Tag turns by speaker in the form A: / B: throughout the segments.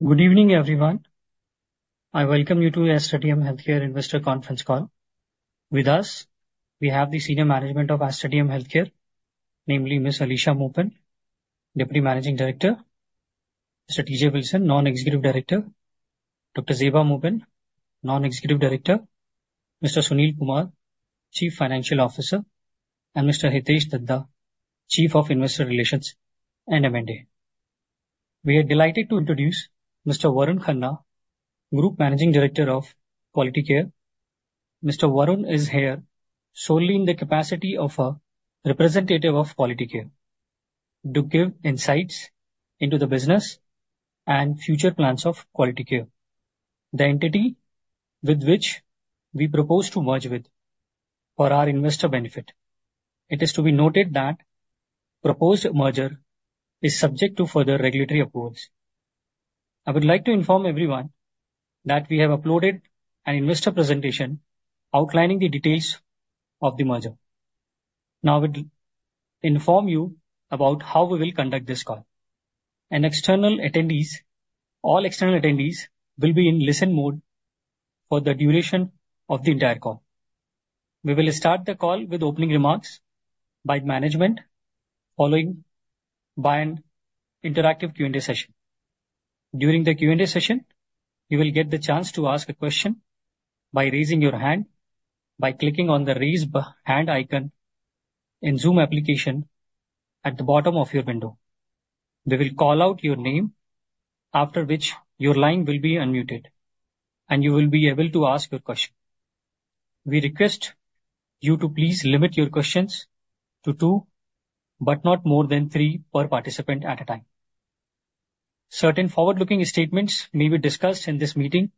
A: Good evening, everyone. I welcome you to Aster DM Healthcare Investor Conference Call. With us, we have the Senior Management of Aster DM Healthcare, namely Ms. Alisha Moopen, Deputy Managing Director, Mr. T. J. Wilson, Non-Executive Director, Dr. Zeba Moopen, Non-Executive Director, Mr. Sunil Kumar, Chief Financial Officer, and Mr. Hitesh Dhaddha, Chief of Investor Relations and M&A. We are delighted to introduce Mr. Varun Khanna, Group Managing Director of Quality Care. Mr. Varun is here solely in the capacity of a representative of Quality Care to give insights into the business and future plans of Quality Care, the entity with which we propose to merge for our investor benefit. It is to be noted that the proposed merger is subject to further regulatory approvals. I would like to inform everyone that we have uploaded an investor presentation outlining the details of the merger. Now, I will inform you about how we will conduct this call. All external attendees will be in listen mode for the duration of the entire call. We will start the call with opening remarks by management, followed by an interactive Q&A session. During the Q&A session, you will get the chance to ask a question by raising your hand by clicking on the raise hand icon in the Zoom application at the bottom of your window. We will call out your name, after which your line will be unmuted, and you will be able to ask your question. We request you to please limit your questions to two, but not more than three per participant at a time. Certain forward-looking statements may be discussed in this meeting,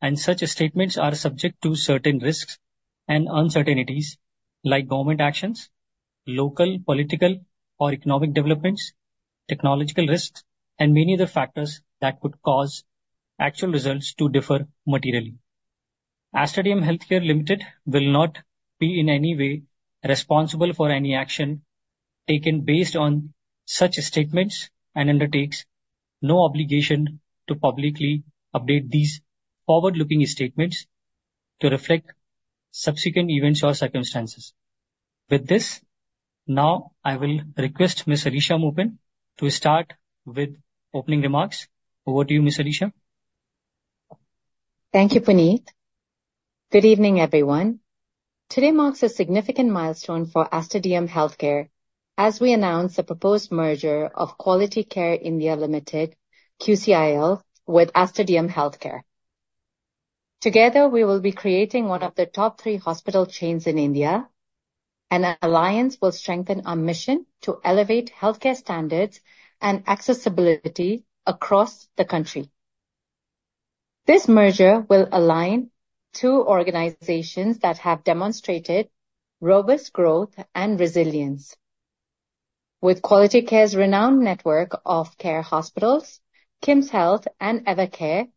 A: and such statements are subject to certain risks and uncertainties, like government actions, local political or economic developments, technological risks, and many other factors that could cause actual results to differ materially. Aster DM Healthcare Limited will not be in any way responsible for any action taken based on such statements and undertakes no obligation to publicly update these forward-looking statements to reflect subsequent events or circumstances. With this, now I will request Ms. Alisha Moopen to start with opening remarks. Over to you, Ms. Alisha.
B: Thank you, Puneet. Good evening, everyone. Today marks a significant milestone for Aster DM Healthcare as we announce the proposed merger of Quality Care India Limited, QCIL, with Aster DM Healthcare. Together, we will be creating one of the top three hospital chains in India, and our alliance will strengthen our mission to elevate healthcare standards and accessibility across the country. This merger will align two organizations that have demonstrated robust growth and resilience. With Quality Care's renowned network of CARE Hospitals, KIMSHEALTH, and Evercare,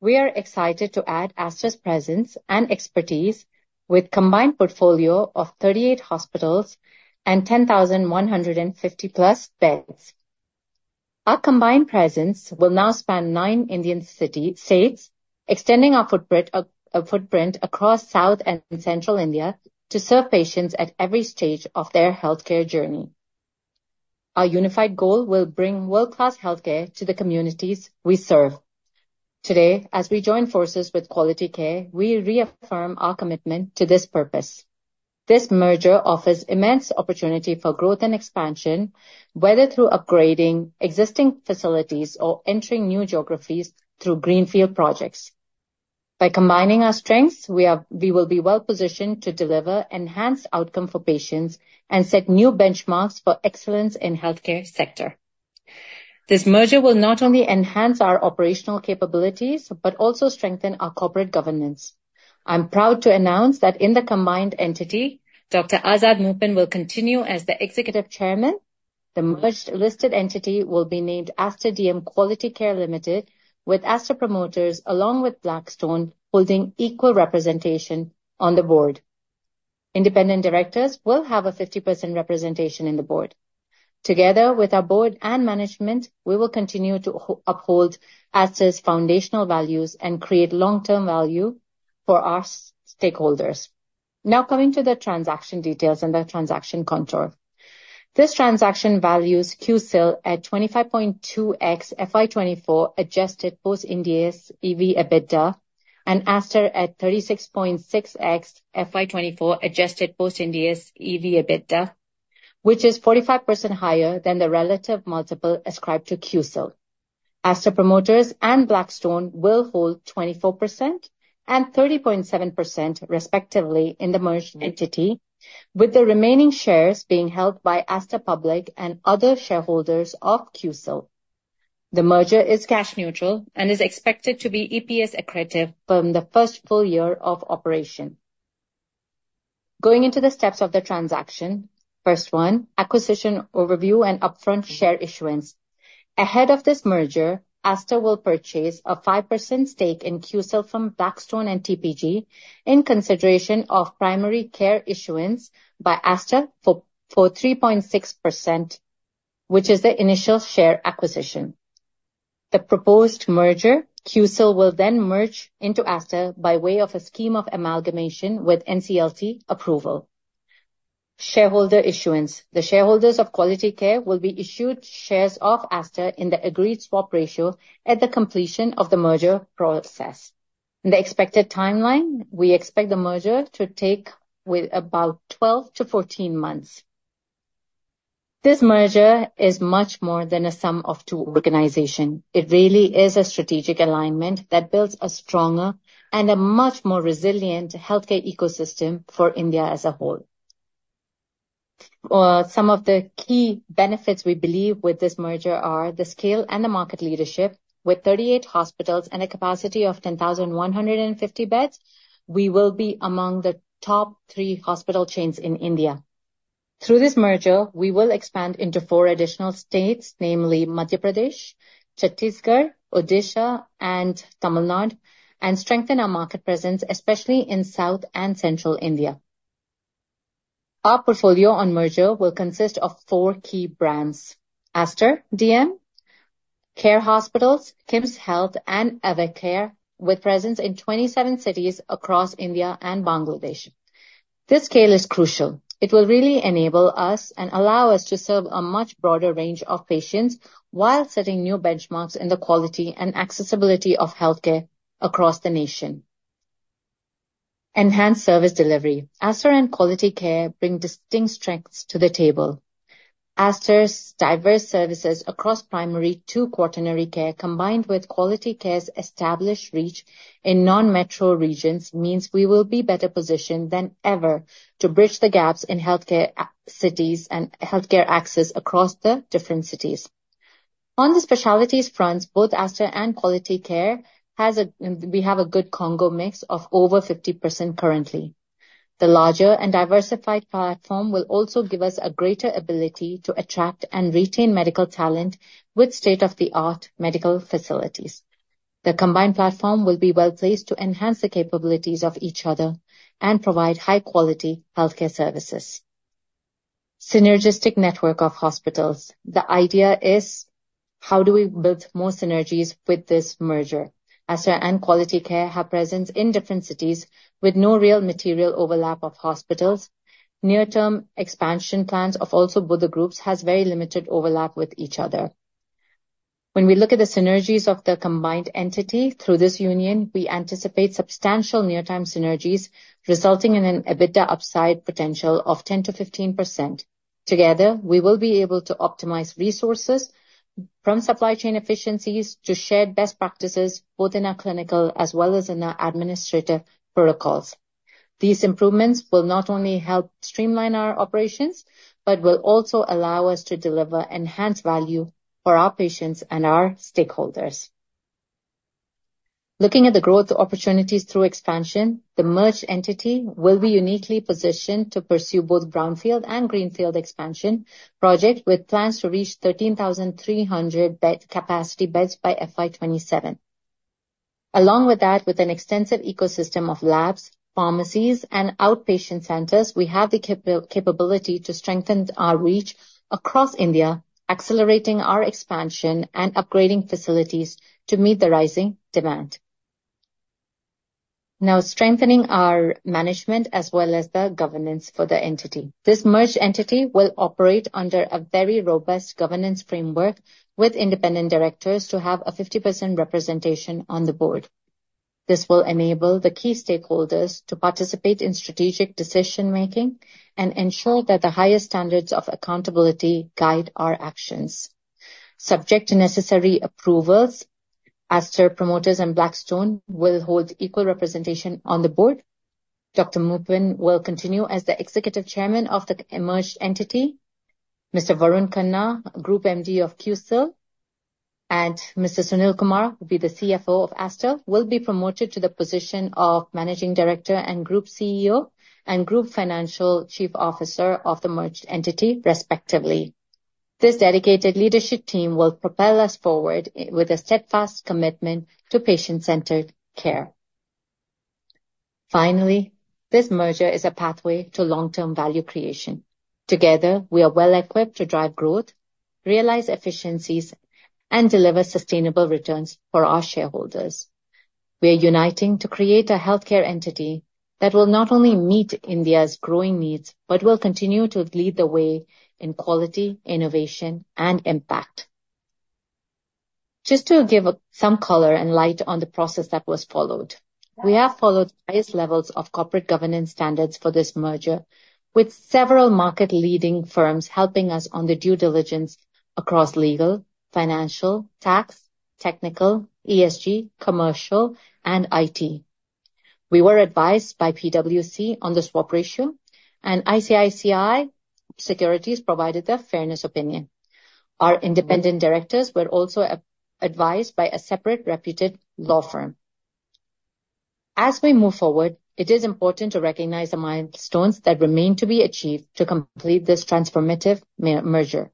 B: we are excited to add Aster's presence and expertise with a combined portfolio of 38 hospitals and 10,150+ beds. Our combined presence will now span nine Indian states, extending our footprint across South and Central India to serve patients at every stage of their healthcare journey. Our unified goal will bring world-class healthcare to the communities we serve. Today, as we join forces with Quality Care, we reaffirm our commitment to this purpose. This merger offers immense opportunity for growth and expansion, whether through upgrading existing facilities or entering new geographies through greenfield projects. By combining our strengths, we will be well-positioned to deliver enhanced outcomes for patients and set new benchmarks for excellence in the healthcare sector. This merger will not only enhance our operational capabilities but also strengthen our corporate governance. I'm proud to announce that in the combined entity, Dr. Azad Moopen will continue as the Executive Chairman. The merged listed entity will be named Aster DM Quality Care Limited, with Aster Promoters along with Blackstone holding equal representation on the board. Independent directors will have a 50% representation in the board. Together with our board and management, we will continue to uphold Aster's foundational values and create long-term value for our stakeholders. Now, coming to the transaction details and the transaction contour. This transaction values QCIL at 25.2x FY 2024 adjusted Post-Ind AS EV/EBITDA and Aster at 36.6x FY 2024 adjusted Post-Ind AS EV/EBITDA, which is 45% higher than the relative multiple ascribed to QCIL. Aster Promoters and Blackstone will hold 24% and 30.7%, respectively, in the merged entity, with the remaining shares being held by Aster Public and other shareholders of QCIL. The merger is cash-neutral and is expected to be EPS-accretive from the first full year of operation. Going into the steps of the transaction, first one, acquisition overview and upfront share issuance. Ahead of this merger, Aster will purchase a 5% stake in QCIL from Blackstone and TPG in consideration of primary share issuance by Aster for 3.6%, which is the initial share acquisition. The proposed merger, QCIL, will then merge into Aster by way of a scheme of amalgamation with NCLT approval. Shareholder issuance. The shareholders of Quality Care will be issued shares of Aster in the agreed swap ratio at the completion of the merger process. In the expected timeline, we expect the merger to take about 12 months to 14 months. This merger is much more than a sum of two organizations. It really is a strategic alignment that builds a stronger and a much more resilient healthcare ecosystem for India as a whole. Some of the key benefits we believe with this merger are the scale and the market leadership. With 38 hospitals and a capacity of 10,150 beds, we will be among the top three hospital chains in India. Through this merger, we will expand into four additional states, namely Madhya Pradesh, Chhattisgarh, Odisha, and Tamil Nadu, and strengthen our market presence, especially in South and Central India. Our portfolio on merger will consist of four key brands: Aster DM, CARE Hospitals, KIMSHEALTH, and Evercare, with presence in 27 cities across India and Bangladesh. This scale is crucial. It will really enable us and allow us to serve a much broader range of patients while setting new benchmarks in the quality and accessibility of healthcare across the nation. Enhanced service delivery. Aster and Quality Care bring distinct strengths to the table. Aster's diverse services across primary to quaternary care, combined with Quality Care's established reach in non-metro regions, means we will be better positioned than ever to bridge the gaps in healthcare cities and healthcare access across the different cities. On the specialties fronts, both Aster and Quality Care have a good case mix of over 50% currently. The larger and diversified platform will also give us a greater ability to attract and retain medical talent with state-of-the-art medical facilities. The combined platform will be well-placed to enhance the capabilities of each other and provide high-quality healthcare services. Synergistic network of hospitals. The idea is, how do we build more synergies with this merger? Aster and Quality Care have presence in different cities with no real material overlap of hospitals. Near-term expansion plans of also both the groups have very limited overlap with each other. When we look at the synergies of the combined entity through this union, we anticipate substantial near-term synergies, resulting in an EBITDA upside potential of 10% to 15%. Together, we will be able to optimize resources from supply chain efficiencies to shared best practices both in our clinical as well as in our administrative protocols. These improvements will not only help streamline our operations but will also allow us to deliver enhanced value for our patients and our stakeholders. Looking at the growth opportunities through expansion, the merged entity will be uniquely positioned to pursue both brownfield and greenfield expansion projects with plans to reach 13,300 capacity beds by FY 2027. Along with that, with an extensive ecosystem of labs, pharmacies, and outpatient centers, we have the capability to strengthen our reach across India, accelerating our expansion and upgrading facilities to meet the rising demand. Now, strengthening our management as well as the governance for the entity. This merged entity will operate under a very robust governance framework with independent directors to have a 50% representation on the board. This will enable the key stakeholders to participate in strategic decision-making and ensure that the highest standards of accountability guide our actions. Subject to necessary approvals, Aster Promoters and Blackstone will hold equal representation on the board. Dr. Moopen will continue as the Executive Chairman of the merged entity. Mr. Varun Khanna, Group MD of QCIL, and Mr. Sunil Kumar, who will be the CFO of Aster, will be promoted to the position of Managing Director and Group CEO and Group Chief Financial Officer of the merged entity, respectively. This dedicated leadership team will propel us forward with a steadfast commitment to patient-centered care. Finally, this merger is a pathway to long-term value creation. Together, we are well-equipped to drive growth, realize efficiencies, and deliver sustainable returns for our shareholders. We are uniting to create a healthcare entity that will not only meet India's growing needs but will continue to lead the way in quality, innovation, and impact. Just to give some color and light on the process that was followed, we have followed the highest levels of corporate governance standards for this merger, with several market-leading firms helping us on the due diligence across legal, financial, tax, technical, ESG, commercial, and IT. We were advised by PwC on the swap ratio, and ICICI Securities provided the fairness opinion. Our independent directors were also advised by a separate reputed law firm. As we move forward, it is important to recognize the milestones that remain to be achieved to complete this transformative merger.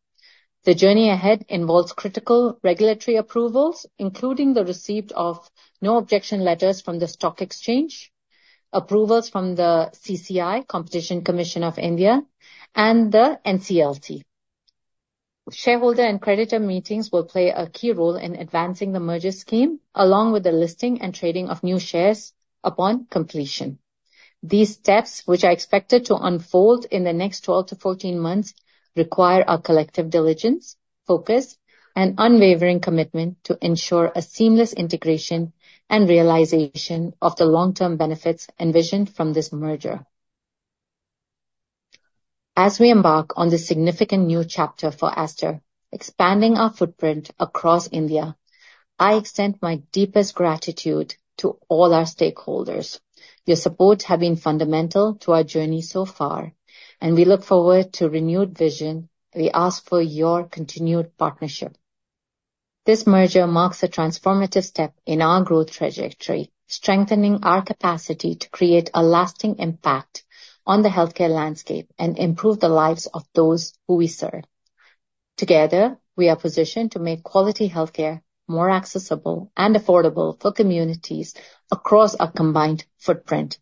B: The journey ahead involves critical regulatory approvals, including the receipt of no-objection letters from the stock exchange, approvals from the CCI, Competition Commission of India, and the NCLT. Shareholder and creditor meetings will play a key role in advancing the merger scheme, along with the listing and trading of new shares upon completion. These steps, which are expected to unfold in the next 12 months to 14 months, require our collective diligence, focus, and unwavering commitment to ensure a seamless integration and realization of the long-term benefits envisioned from this merger. As we embark on this significant new chapter for Aster, expanding our footprint across India, I extend my deepest gratitude to all our stakeholders. Your support has been fundamental to our journey so far, and we look forward to renewed vision. We ask for your continued partnership. This merger marks a transformative step in our growth trajectory, strengthening our capacity to create a lasting impact on the healthcare landscape and improve the lives of those who we serve. Together, we are positioned to make quality healthcare more accessible and affordable for communities across our combined footprint.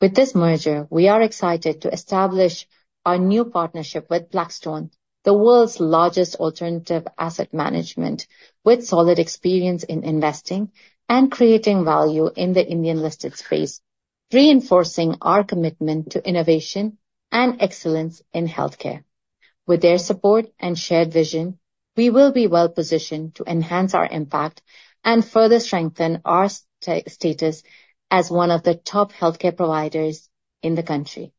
B: With this merger, we are excited to establish our new partnership with Blackstone, the world's largest alternative asset management, with solid experience in investing and creating value in the Indian-listed space, reinforcing our commitment to innovation and excellence in healthcare. With their support and shared vision, we will be well-positioned to enhance our impact and further strengthen our status as one of the top healthcare providers in the country.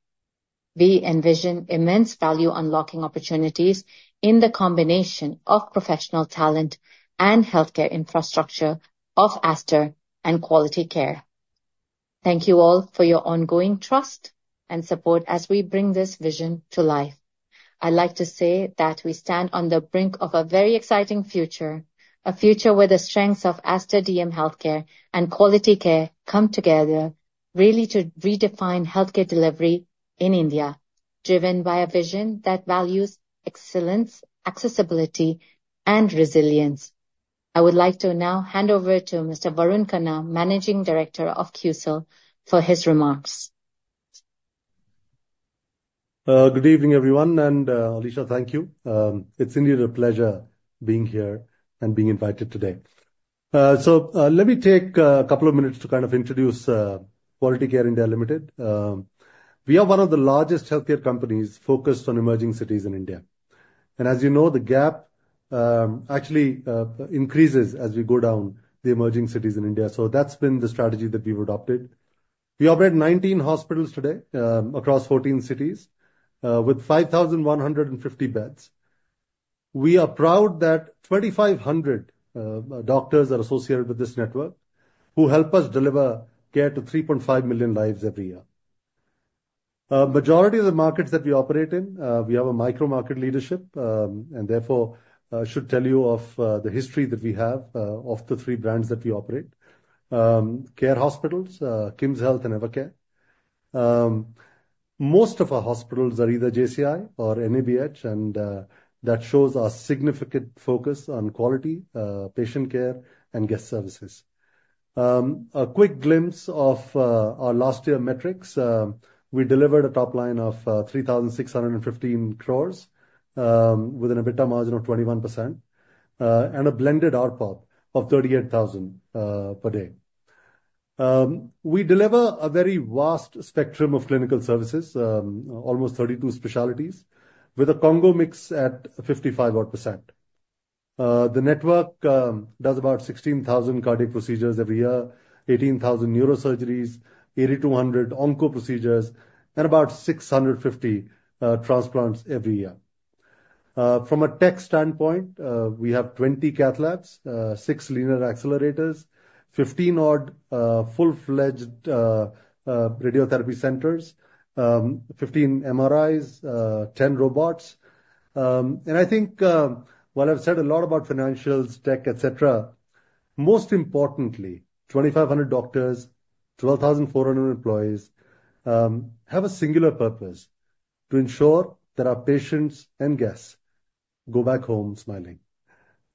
B: We envision immense value unlocking opportunities in the combination of professional talent and healthcare infrastructure of Aster and Quality Care. Thank you all for your ongoing trust and support as we bring this vision to life. I'd like to say that we stand on the brink of a very exciting future, a future where the strengths of Aster DM Healthcare and Quality Care come together, really to redefine healthcare delivery in India, driven by a vision that values excellence, accessibility, and resilience. I would like to now hand over to Mr. Varun Khanna, Managing Director of QCIL, for his remarks.
C: Good evening, everyone, and Alisha, thank you. It's indeed a pleasure being here and being invited today. So let me take a couple of minutes to kind of introduce Quality Care India Limited. We are one of the largest healthcare companies focused on emerging cities in India, and as you know, the gap actually increases as we go down the emerging cities in India. So that's been the strategy that we've adopted. We operate 19 hospitals today across 14 cities with 5,150 beds. We are proud that 2,500 doctors are associated with this network who help us deliver care to 3.5 million lives every year. Majority of the markets that we operate in, we have a micro-market leadership, and therefore should tell you of the history that we have of the three brands that we operate: CARE Hospitals, KIMSHEALTH, and Evercare. Most of our hospitals are either JCI or NABH, and that shows our significant focus on quality, patient care, and guest services. A quick glimpse of our last year metrics: we delivered a top line of 3,615 crores with an EBITDA margin of 21% and a blended ARPOP of 38,000 per day. We deliver a very vast spectrum of clinical services, almost 32 specialties, with a case mix at 55%. The network does about 16,000 cardiac procedures every year, 18,000 neurosurgeries, 8,200 onco-procedures, and about 650 transplants every year. From a tech standpoint, we have 20 Cath labs, 6 linear accelerators, 15-odd full-fledged radiotherapy centers, 15 MRIs, 10 robots. I think while I've said a lot about financials, tech, etc., most importantly, 2,500 doctors, 12,400 employees have a singular purpose: to ensure that our patients and guests go back home smiling.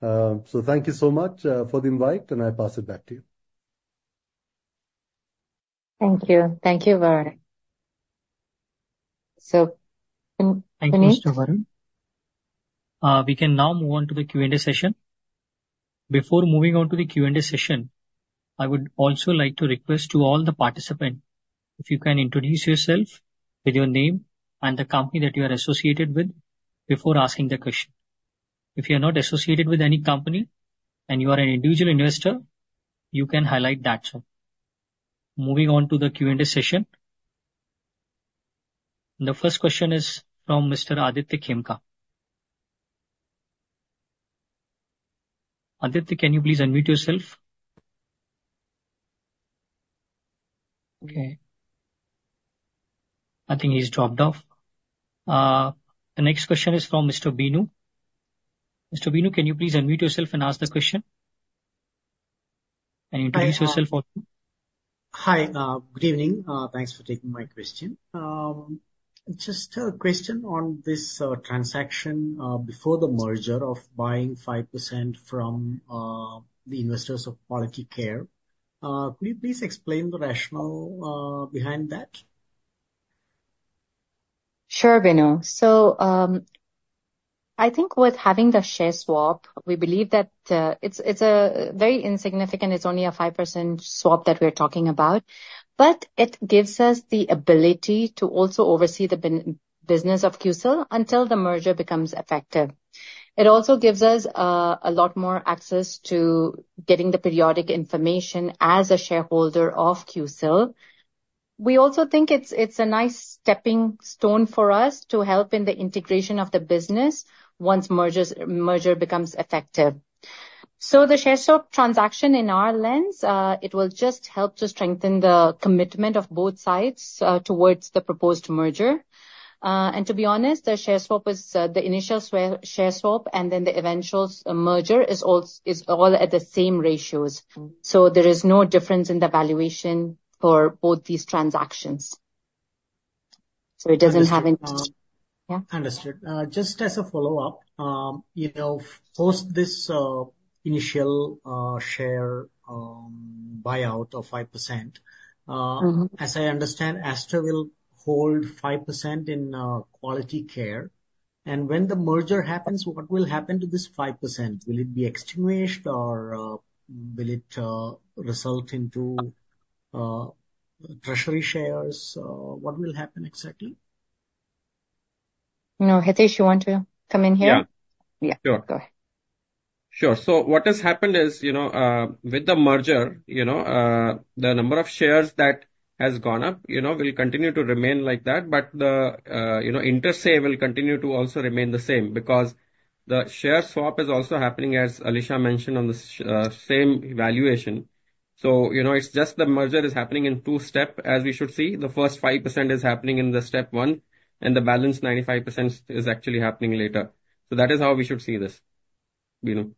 C: So thank you so much for the invite, and I pass it back to you.
B: Thank you. Thank you, Varun. So, can you?
A: Thank you, Mr. Varun. We can now move on to the Q&A session. Before moving on to the Q&A session, I would also like to request all the participants if you can introduce yourself with your name and the company that you are associated with before asking the question. If you are not associated with any company and you are an individual investor, you can highlight that. Moving on to the Q&A session. The first question is from Mr. Aditya Khemka. Aditya, can you please unmute yourself?
B: Okay.
A: I think he's dropped off. The next question is from Mr. Binu. Mr. Binu, can you please unmute yourself and ask the question? Can you introduce yourself also?
D: Hi. Good evening. Thanks for taking my question. Just a question on this transaction before the merger of buying 5% from the investors of Quality Care. Could you please explain the rationale behind that?
B: Sure, Binu. So I think with having the share swap, we believe that it's a very insignificant, it's only a 5% swap that we're talking about, but it gives us the ability to also oversee the business of QCIL until the merger becomes effective. It also gives us a lot more access to getting the periodic information as a shareholder of QCIL. We also think it's a nice stepping stone for us to help in the integration of the business once the merger becomes effective. So the share swap transaction, in our lens, will just help to strengthen the commitment of both sides towards the proposed merger. And to be honest, the share swap is the initial share swap, and then the eventual merger is all at the same ratios. So there is no difference in the valuation for both these transactions. So it doesn't have any, yeah?
D: Understood. Just as a follow-up, post this initial share buyout of 5%, as I understand, Aster will hold 5% in Quality Care and when the merger happens, what will happen to this 5%? Will it be extinguished, or will it result in treasury shares? What will happen exactly?
B: Hitesh, you want to come in here?
E: Yeah. Yeah. Sure.
B: Go ahead.
E: Sure. So what has happened is, with the merger, the number of shares that has gone up will continue to remain like that, but the inter se will continue to also remain the same because the share swap is also happening, as Alisha mentioned, on the same valuation. It's just the merger is happening in two steps, as we should see. The first five% is happening in step one, and the balance 95% is actually happening later. So that is how we should see this, Binu.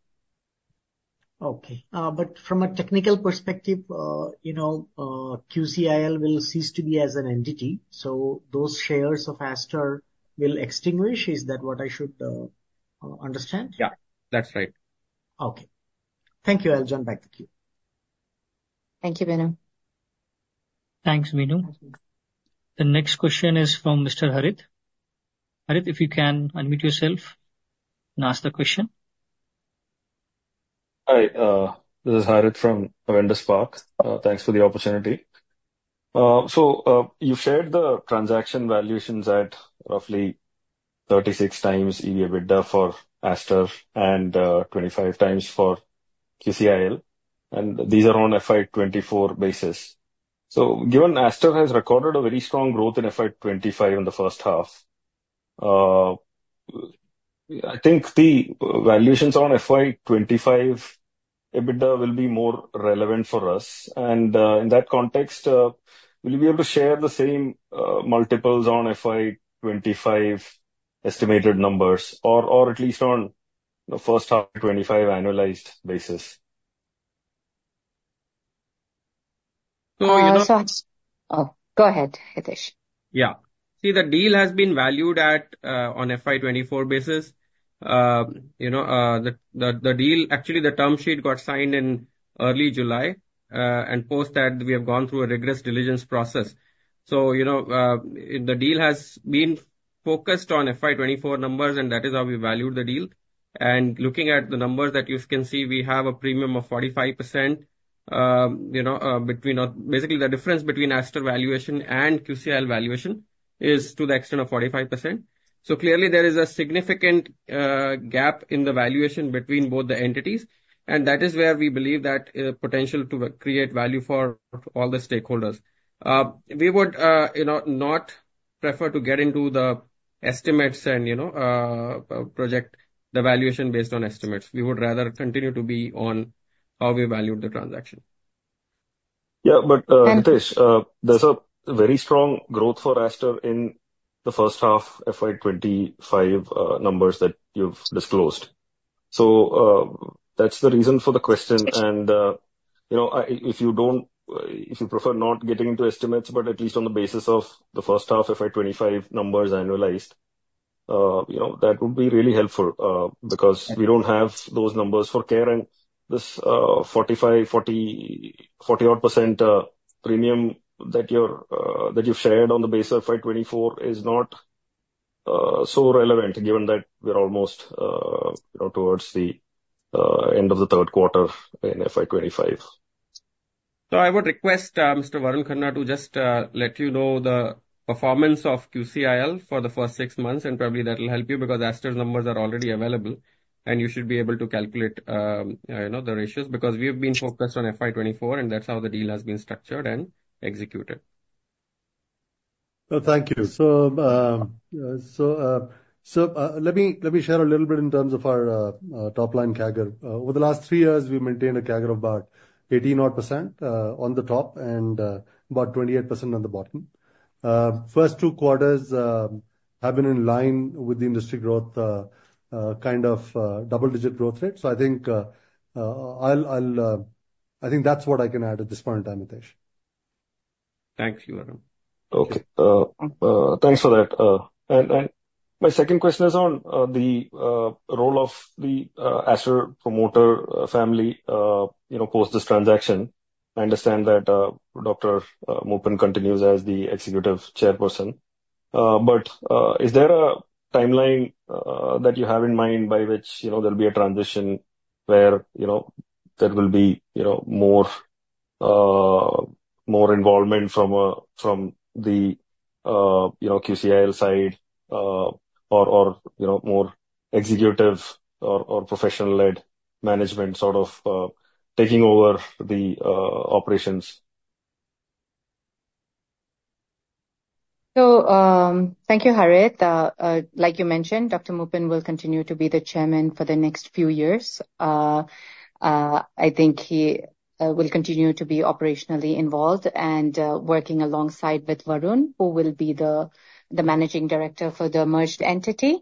D: Okay. But from a technical perspective, QCIL will cease to be as an entity. So those shares of Aster will extinguish. Is that what I should understand?
E: Yeah. That's right.
D: Okay. Thank you. I'll jump back to queue.
B: Thank you, Binu.
A: Thanks, Binu. The next question is from Mr. Harit. Harit, if you can unmute yourself and ask the question. Hi.
F: This is Harit from Avendus Spark. Thanks for the opportunity. So you've shared the transaction valuations at roughly 36 times EV/EBITDA for Aster and 25 times for QCIL. And these are on FY 2024 basis. So given Aster has recorded a very strong growth in FY 2025 in the first half, I think the valuations on FY 2025 EBITDA will be more relevant for us. And in that context, will you be able to share the same multiples on FY 2025 estimated numbers, or at least on the first half 2025 annualized basis?
B: Oh, go ahead, Hitesh.
E: Yeah. See, the deal has been valued on FY 2024 basis. The deal, actually, the term sheet got signed in early July and post that we have gone through a rigorous diligence process. So the deal has been focused on FY 2024 numbers, and that is how we valued the deal. And looking at the numbers that you can see, we have a premium of 45%. Basically, the difference between Aster valuation and QCIL valuation is to the extent of 45%. So clearly, there is a significant gap in the valuation between both the entities, and that is where we believe that potential to create value for all the stakeholders. We would not prefer to get into the estimates and project the valuation based on estimates. We would rather continue to be on how we valued the transaction.
F: Yeah. But Hitesh, there's a very strong growth for Aster in the first half FY 2025 numbers that you've disclosed. So that's the reason for the question. And if you prefer not getting into estimates, but at least on the basis of the first half FY 2025 numbers annualized, that would be really helpful because we don't have those numbers for Care. This 45%, 41% premium that you've shared on the basis of FY 2024 is not so relevant given that we're almost towards the end of the third quarter in FY 2025.
E: I would request Mr. Varun Khanna to just let you know the performance of QCIL for the first six months, and probably that will help you because Aster's numbers are already available, and you should be able to calculate the ratios because we have been focused on FY 2024, and that's how the deal has been structured and executed.
C: Thank you. Let me share a little bit in terms of our top-line CAGR. Over the last three years, we maintained a CAGR of about 18-odd% on the top and about 28% on the bottom. First two quarters have been in line with the industry growth kind of double-digit growth rate. So, I think that's what I can add at this point in time, Hitesh.
F: Thank you, Varun. Okay. Thanks for that, and my second question is on the role of the Aster promoter family post this transaction. I understand that Dr. Moopen continues as the executive chairperson. But is there a timeline that you have in mind by which there'll be a transition where there will be more involvement from the QCIL side or more executive or professional-led management sort of taking over the operations?
B: So, thank you, Harit. Like you mentioned, Dr. Moopen will continue to be the chairman for the next few years. I think he will continue to be operationally involved and working alongside with Varun, who will be the managing director for the merged entity.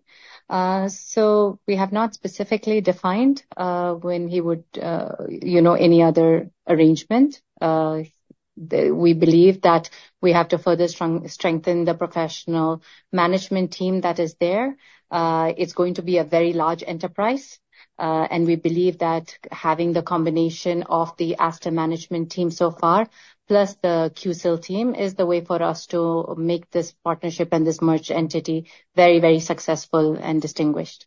B: So, we have not specifically defined when he would any other arrangement. We believe that we have to further strengthen the professional management team that is there. It's going to be a very large enterprise, and we believe that having the combination of the Aster management team so far, plus the QCIL team, is the way for us to make this partnership and this merged entity very, very successful and distinguished.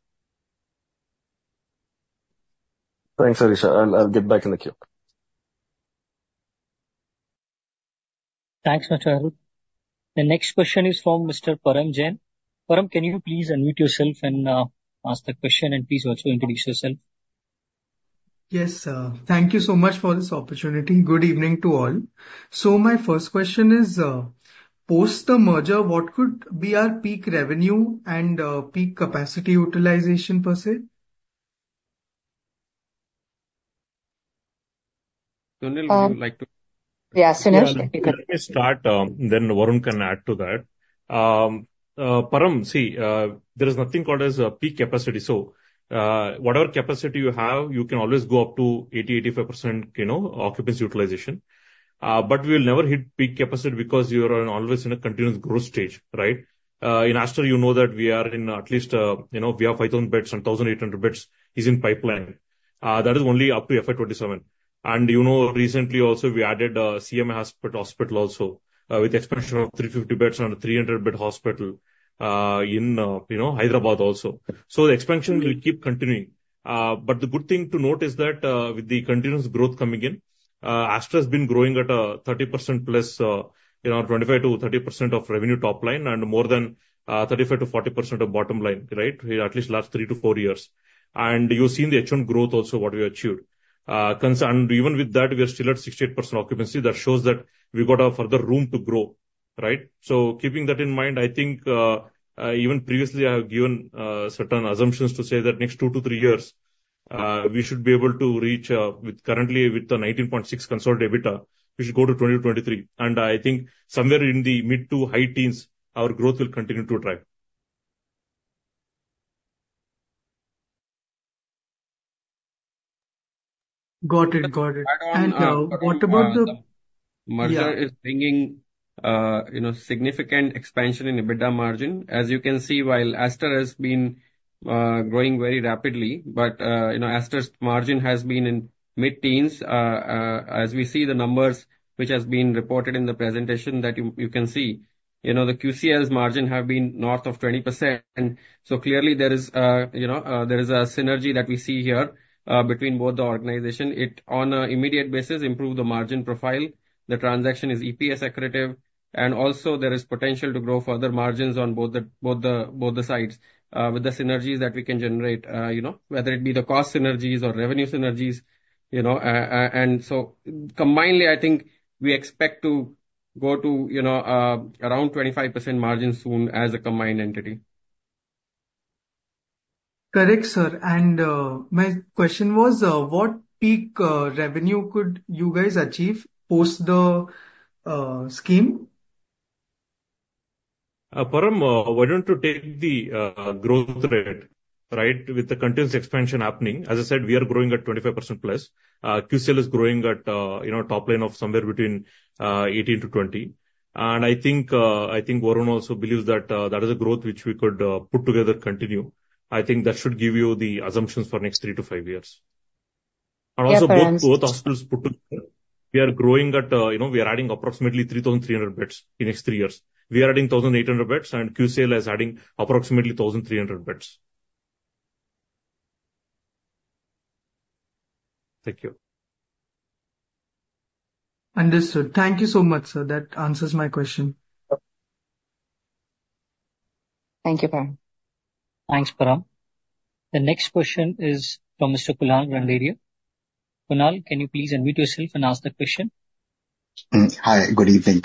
F: Thanks, Alisha. I'll get back in the queue.
A: Thanks, Mr. Harith. The next question is from Mr. Param Jain. Param, can you please unmute yourself and ask the question, and please also introduce yourself?
G: Yes. Thank you so much for this opportunity. Good evening to all. So my first question is, post the merger, what could be our peak revenue and peak capacity utilization per se?
E: Sunil, would you like to?
B: Yeah. Sunil.
E: Let me start, then Varun can add to that. Param, see, there is nothing called as peak capacity. So whatever capacity you have, you can always go up to 80-85% occupancy utilization. But we will never hit peak capacity because you are always in a continuous growth stage, right? In Aster, you know that we are in; at least we have 5,000 beds and 1,800 beds is in pipeline. That is only up to FY 2027. And recently, also, we added CMI Hospital also with expansion of 350 beds and a 300-bed hospital in Hyderabad also. So the expansion will keep continuing. But the good thing to note is that with the continuous growth coming in, Aster has been growing at a 30% plus 25% to 30% of revenue top line and more than 35% to 40% of bottom line, right, at least last three to four years. And you've seen the H1 growth also, what we achieved. And even with that, we are still at 68% occupancy. That shows that we got a further room to grow, right? So keeping that in mind, I think even previously, I have given certain assumptions to say that next two to three years, we should be able to reach currently with the 19.6 consolidated EBITDA, we should go to 2023. And I think somewhere in the mid-teens to high-teens, our growth will continue to drive.
G: Got it. Got it. And what about the merger?
H: Merger is bringing significant expansion in EBITDA margin. As you can see, while Aster has been growing very rapidly, but Aster's margin has been in mid teens. As we see the numbers which have been reported in the presentation, that you can see, the QCIL's margin has been north of 20%. So clearly, there is a synergy that we see here between both the organizations. It on an immediate basis improved the margin profile. The transaction is EPS accretive. And also, there is potential to grow further margins on both the sides with the synergies that we can generate, whether it be the cost synergies or revenue synergies. And so combinedly, I think we expect to go to around 25% margin soon as a combined entity.
G: Correct, sir. And my question was, what peak revenue could you guys achieve post the scheme?
E: Param, why don't you take the growth rate, right, with the continuous expansion happening? As I said, we are growing at 25+%. QCIL is growing at top line of somewhere between 18% to 20%. And I think Varun also believes that that is a growth which we could put together continue. I think that should give you the assumptions for next three to five years. And also, both hospitals put together, we are growing at, we are adding approximately 3,300 beds in next three years. We are adding 1,800 beds, and QCIL is adding approximately 1,300 beds. Thank you.
G: Understood. Thank you so much, sir. That answers my question.
B: Thank you, Param.
A: Thanks, Param. The next question is from Mr. Kunal Randheria. Kunal, can you please unmute yourself and ask the question?
I: Hi. Good evening.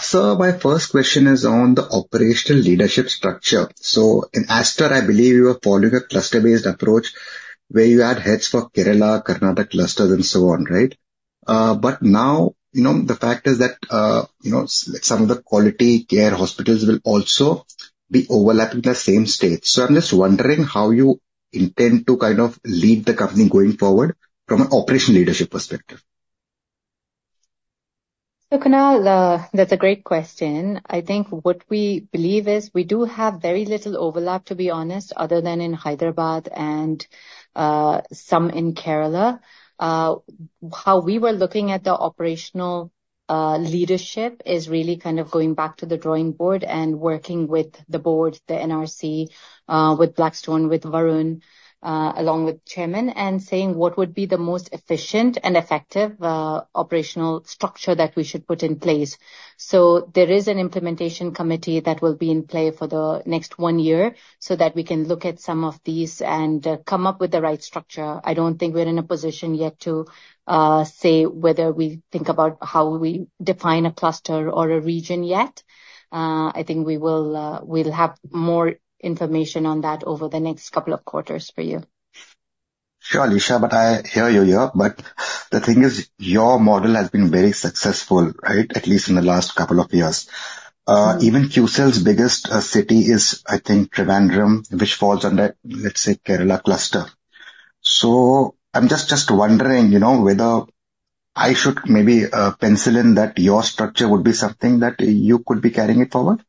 I: So my first question is on the operational leadership structure. So in Aster, I believe you are following a cluster-based approach where you add heads for Kerala, Karnataka clusters, and so on, right? But now, the fact is that some of the Quality CARE hospitals will also be overlapping the same state. So I'm just wondering how you intend to kind of lead the company going forward from an operational leadership perspective.
B: So Kunal, that's a great question. I think what we believe is we do have very little overlap, to be honest, other than in Hyderabad and some in Kerala. How we were looking at the operational leadership is really kind of going back to the drawing board and working with the board, the NRC, with Blackstone, with Varun, along with chairman, and saying what would be the most efficient and effective operational structure that we should put in place. So there is an implementation committee that will be in play for the next one year so that we can look at some of these and come up with the right structure. I don't think we're in a position yet to say whether we think about how we define a cluster or a region yet. I think we will have more information on that over the next couple of quarters for you.
I: Sure, Alisha, but I hear you here. But the thing is, your model has been very successful, right, at least in the last couple of years. Even QCIL's biggest city is, I think, Trivandrum, which falls under, let's say, Kerala cluster. So I'm just wondering whether I should maybe pencil in that your structure would be something that you could be carrying it forward?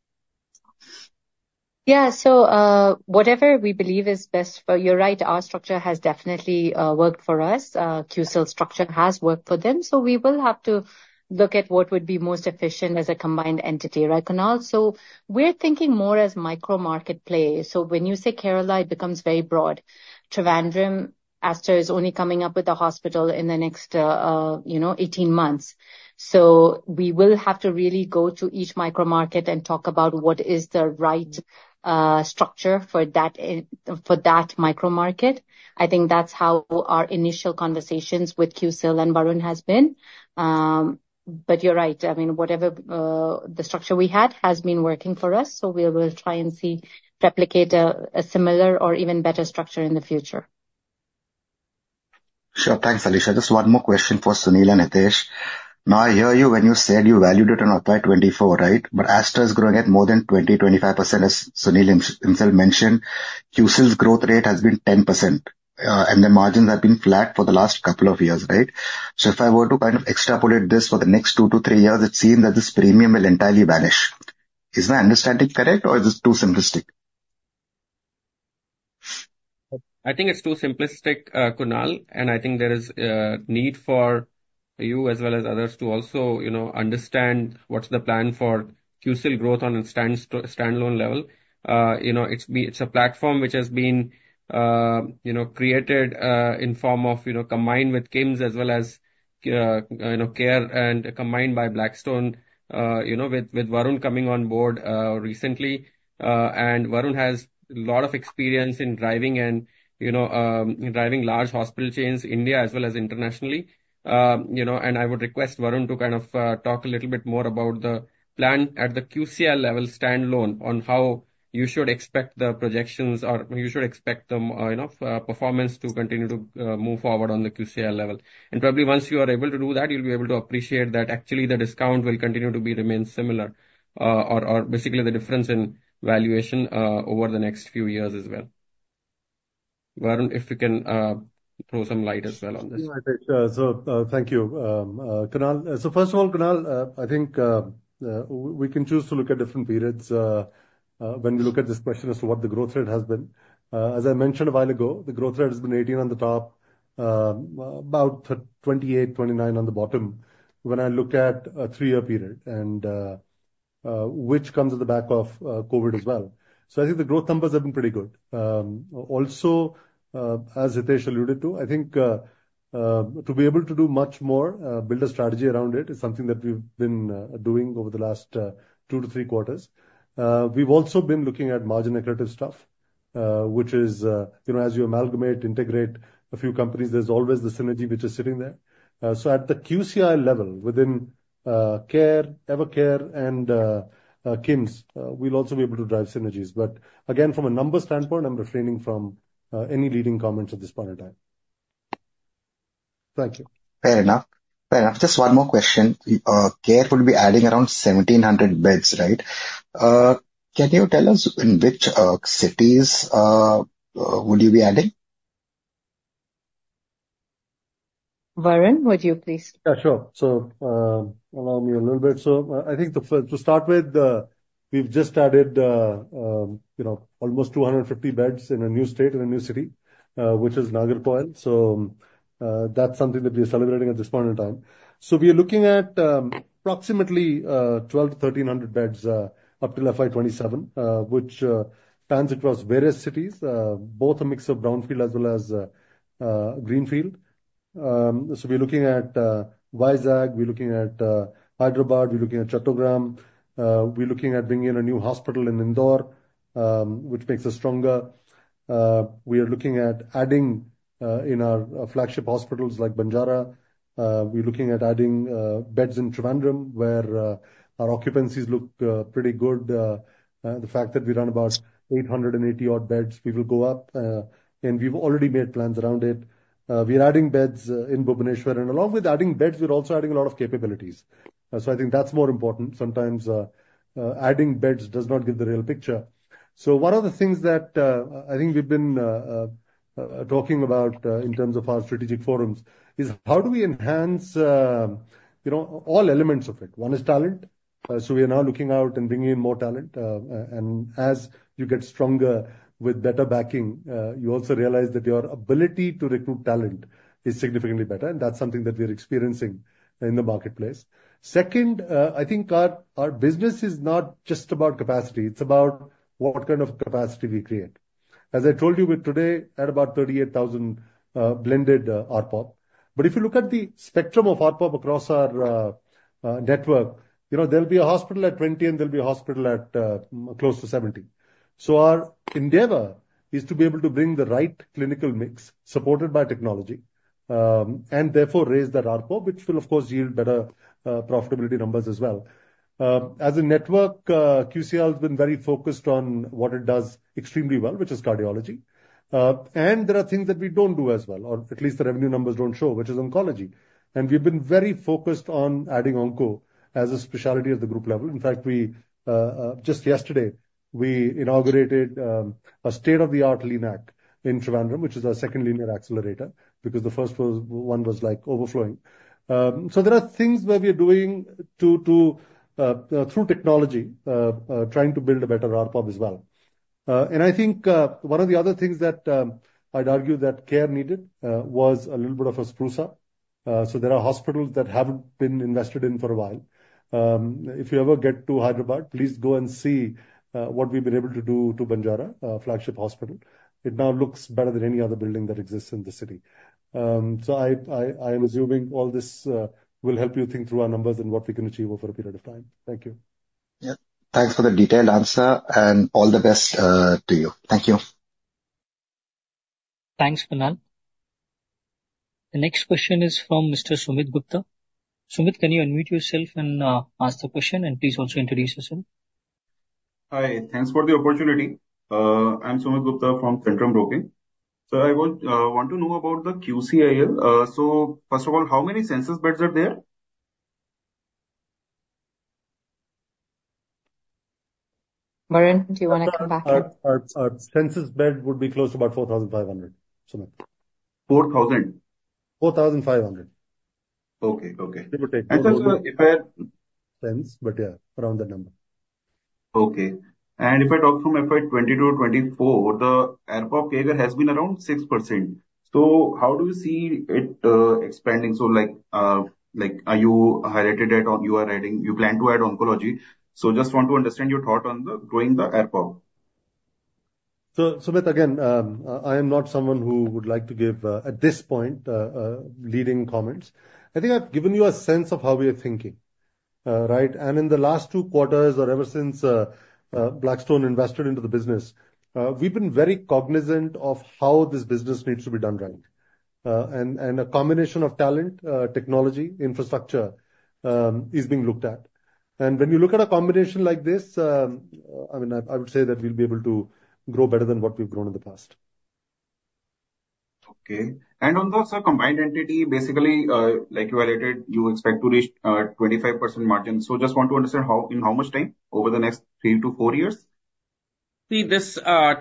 B: Yeah. So whatever we believe is best for you. You're right. Our structure has definitely worked for us. QCIL structure has worked for them. So we will have to look at what would be most efficient as a combined entity, right, Kunal? So we're thinking more as micro-marketplace. So when you say Kerala, it becomes very broad. Trivandrum, Aster is only coming up with a hospital in the next 18 months. So we will have to really go to each micro-market and talk about what is the right structure for that micro-market. I think that's how our initial conversations with QCIL and Varun have been. But you're right. I mean, whatever the structure we had has been working for us. So we will try and see replicate a similar or even better structure in the future.
I: Sure. Thanks, Alisha. Just one more question for Sunil and Hitesh. Now, I hear you when you said you valued it on FY 2024, right? But Aster is growing at more than 20% to 25%, as Sunil himself mentioned. QCIL's growth rate has been 10%, and the margins have been flat for the last couple of years, right? So if I were to kind of extrapolate this for the next two to three years, it seems that this premium will entirely vanish. Is my understanding correct, or is it too simplistic?
H: I think it's too simplistic, Kunal. And I think there is a need for you as well as others to also understand what's the plan for QCIL growth on a standalone level. It's a platform which has been created in form of combined with Kim's as well as care and combined by Blackstone with Varun coming on board recently. And Varun has a lot of experience in driving large hospital chains in India as well as internationally. And I would request Varun to kind of talk a little bit more about the plan at the QCIL level standalone on how you should expect the projections or you should expect the performance to continue to move forward on the QCIL level. And probably once you are able to do that, you'll be able to appreciate that actually the discount will continue to remain similar or basically the difference in valuation over the next few years as well. Varun, if you can throw some light as well on this.
C: Yeah, sure. So thank you. Kunal, so first of all, Kunal, I think we can choose to look at different periods when we look at this question as to what the growth rate has been. As I mentioned a while ago, the growth rate has been 18% on the top, about 28%, 29% on the bottom when I look at a three-year period, which comes at the back of COVID as well. So I think the growth numbers have been pretty good. Also, as Hitesh alluded to, I think to be able to do much more, build a strategy around it is something that we've been doing over the last two to three quarters. We've also been looking at margin accretive stuff, which is as you amalgamate, integrate a few companies, there's always the synergy which is sitting there. So at the QCIL level within CARE, Evercare, and KIMSHEALTH, we'll also be able to drive synergies. But again, from a numbers standpoint, I'm refraining from any leading comments at this point in time. Thank you. Fair enough. Fair enough. Just one more question. Care would be adding around 1,700 beds, right? Can you tell us in which cities would you be adding?
B: Varun, would you please?
C: Yeah, sure. So allow me a little bit. I think to start with, we've just added almost 250 beds in a new state and a new city, which is Nagercoil. That's something that we are celebrating at this point in time. We are looking at approximately 1,200 to 1,300 beds up to FY 2027, which spans across various cities, both a mix of brownfield as well as greenfield. We're looking at Vizag. We're looking at Hyderabad. We're looking at Chattogram. We're looking at bringing in a new hospital in Indore, which makes us stronger. We are looking at adding in our flagship hospitals like Banjara Hills. We're looking at adding beds in Trivandrum where our occupancies look pretty good. The fact that we run about 880-odd beds, we will go up. We've already made plans around it. We are adding beds in Bhubaneswar. Along with adding beds, we're also adding a lot of capabilities. So I think that's more important. Sometimes adding beds does not give the real picture. So one of the things that I think we've been talking about in terms of our strategic forums is how do we enhance all elements of it? One is talent. So we are now looking out and bringing in more talent. And as you get stronger with better backing, you also realize that your ability to recruit talent is significantly better. And that's something that we are experiencing in the marketplace. Second, I think our business is not just about capacity. It's about what kind of capacity we create. As I told you today, at about 38,000 blended ARPOP. But if you look at the spectrum of ARPOP across our network, there'll be a hospital at 20, and there'll be a hospital close to 70. So our endeavor is to be able to bring the right clinical mix supported by technology and therefore raise that ARPOP, which will, of course, yield better profitability numbers as well. As a network, QCIL has been very focused on what it does extremely well, which is cardiology. And there are things that we don't do as well, or at least the revenue numbers don't show, which is oncology. And we've been very focused on adding onco as a specialty at the group level. In fact, just yesterday, we inaugurated a state-of-the-art linac in Trivandrum, which is our second linear accelerator because the first one was overflowing. So there are things where we are doing through technology, trying to build a better ARPOP as well. And I think one of the other things that I'd argue that care needed was a little bit of a spruce. So there are hospitals that haven't been invested in for a while. If you ever get to Hyderabad, please go and see what we've been able to do to Banjara Hills, a flagship hospital. It now looks better than any other building that exists in the city. So I am assuming all this will help you think through our numbers and what we can achieve over a period of time. Thank you.
I: Yeah. Thanks for the detailed answer and all the best to you. Thank you.
J: Thanks, Kunal. The next question is from Mr. Sumit Gupta. Sumit, can you unmute yourself and ask the question? And please also introduce yourself.
K: Hi. Thanks for the opportunity. I'm Sumit Gupta from Centrum Broking. So I want to know about the QCIL. So first of all, how many census beds are there?
B: Varun, do you want to come back?
C: Our census bed would be close to about 4,500, Sumit.
K: 4,000?
C: 4,500. Okay. If I had sense. But yeah.
K: Around that number. Okay. And if I talk from FY 2022 or 2024, the ARPOP figure has been around 6%. So how do you see it expanding? So you highlighted that you plan to add oncology. So just want to understand your thought on growing the ARPOP.
C: So Sumit, again, I am not someone who would like to give, at this point, leading comments. I think I've given you a sense of how we are thinking, right? And in the last two quarters or ever since Blackstone invested into the business, we've been very cognizant of how this business needs to be done right, and a combination of talent, technology, infrastructure is being looked at. When you look at a combination like this, I mean, I would say that we'll be able to grow better than what we've grown in the past.
K: Okay. On those combined entity, basically, like you highlighted, you expect to reach 25% margin. So just want to understand in how much time over the next three to four years?
H: See, this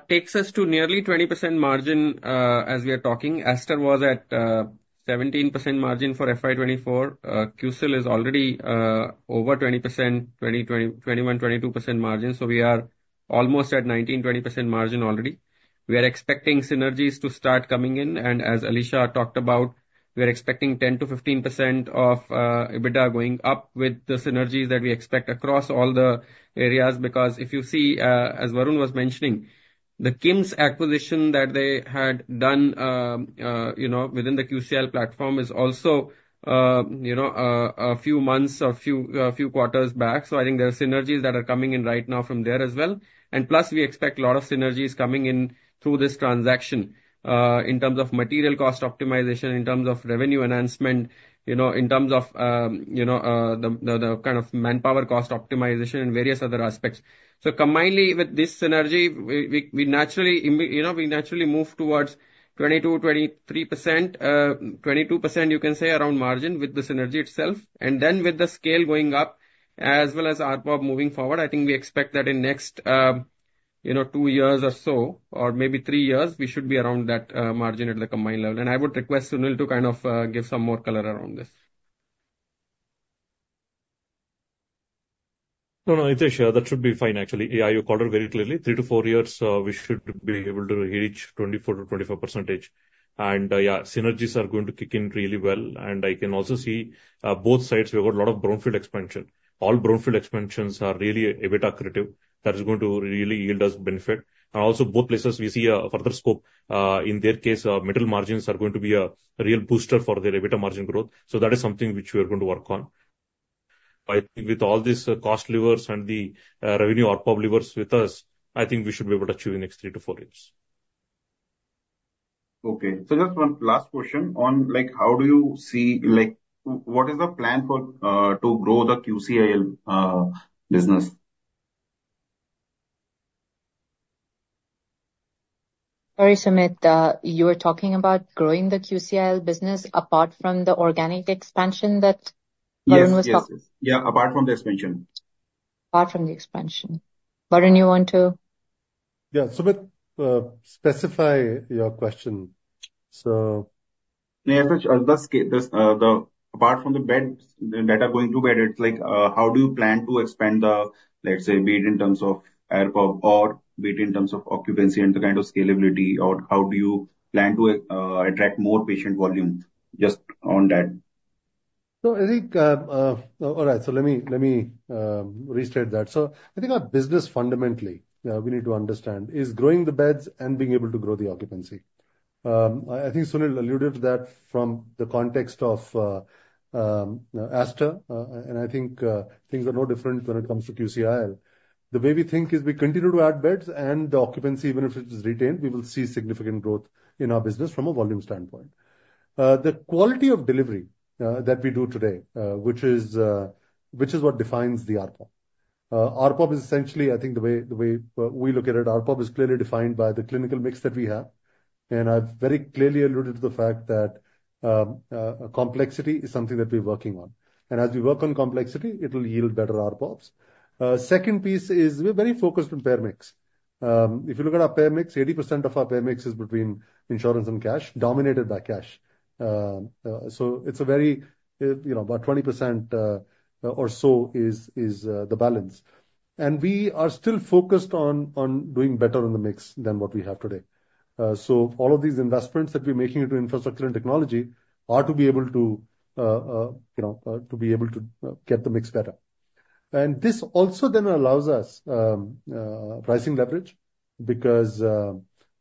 H: takes us to nearly 20% margin as we are talking. Aster was at 17% margin for FY 2024. QCIL is already over 20%, 21%-22% margin. So we are almost at 19%-20% margin already. We are expecting synergies to start coming in. As Alisha talked about, we are expecting 10% to 15% of EBITDA going up with the synergies that we expect across all the areas. Because if you see, as Varun was mentioning, the KIMS acquisition that they had done within the QCIL platform is also a few months or a few quarters back. So I think there are synergies that are coming in right now from there as well. And plus, we expect a lot of synergies coming in through this transaction in terms of material cost optimization, in terms of revenue enhancement, in terms of the kind of manpower cost optimization, and various other aspects. So combined with this synergy, we naturally move towards 22%-23%, 22%, you can say, around margin with the synergy itself. And then with the scale going up as well as ARPOP moving forward, I think we expect that in the next two years or so, or maybe three years, we should be around that margin at the combined level. I would request Sunil to kind of give some more color around this.
E: No, no, Hitesh, that should be fine, actually. Yeah, you called it very clearly. Three to four years, we should be able to reach 24%-25%. And yeah, synergies are going to kick in really well. And I can also see both sides, we've got a lot of brownfield expansion. All brownfield expansions are really EBITDA accretive. That is going to really yield us benefit. And also, both places, we see a further scope. In their case, metal margins are going to be a real booster for their EBITDA margin growth. So that is something which we are going to work on. I think with all these cost levers and the revenue ARPOP levers with us, I think we should be able to achieve in the next three to four years. Okay.
K: So just one last question on how do you see what is the plan to grow the QCIL business?
B: Sorry, Sumit. You were talking about growing the QCIL business apart from the organic expansion that Varun was talking about.
K: Yeah, apart from the expansion. Apart from the expansion. Varun, you want to?
C: Yeah. Sumit, specify your question.
K: So apart from the bed additions going ahead, it's like how do you plan to expand the, let's say, bed in terms of ARPOP or bed in terms of occupancy and the kind of scalability, or how do you plan to attract more patient volume just on that?
C: So I think, all right, so let me restate that. So I think our business fundamentally, we need to understand, is growing the beds and being able to grow the occupancy. I think Sunil alluded to that from the context of Aster. And I think things are no different when it comes to QCIL. The way we think is we continue to add beds, and the occupancy, even if it is retained, we will see significant growth in our business from a volume standpoint. The quality of delivery that we do today, which is what defines the ARPOP. ARPOP is essentially, I think the way we look at it, ARPOP is clearly defined by the clinical mix that we have. And I've very clearly alluded to the fact that complexity is something that we're working on. And as we work on complexity, it'll yield better ARPOPs. Second piece is we're very focused on payer mix. If you look at our payer mix, 80% of our payer mix is between insurance and cash, dominated by cash. So it's about 20% or so is the balance. We are still focused on doing better on the mix than what we have today. So all of these investments that we're making into infrastructure and technology are to be able to get the mix better. And this also then allows us pricing leverage because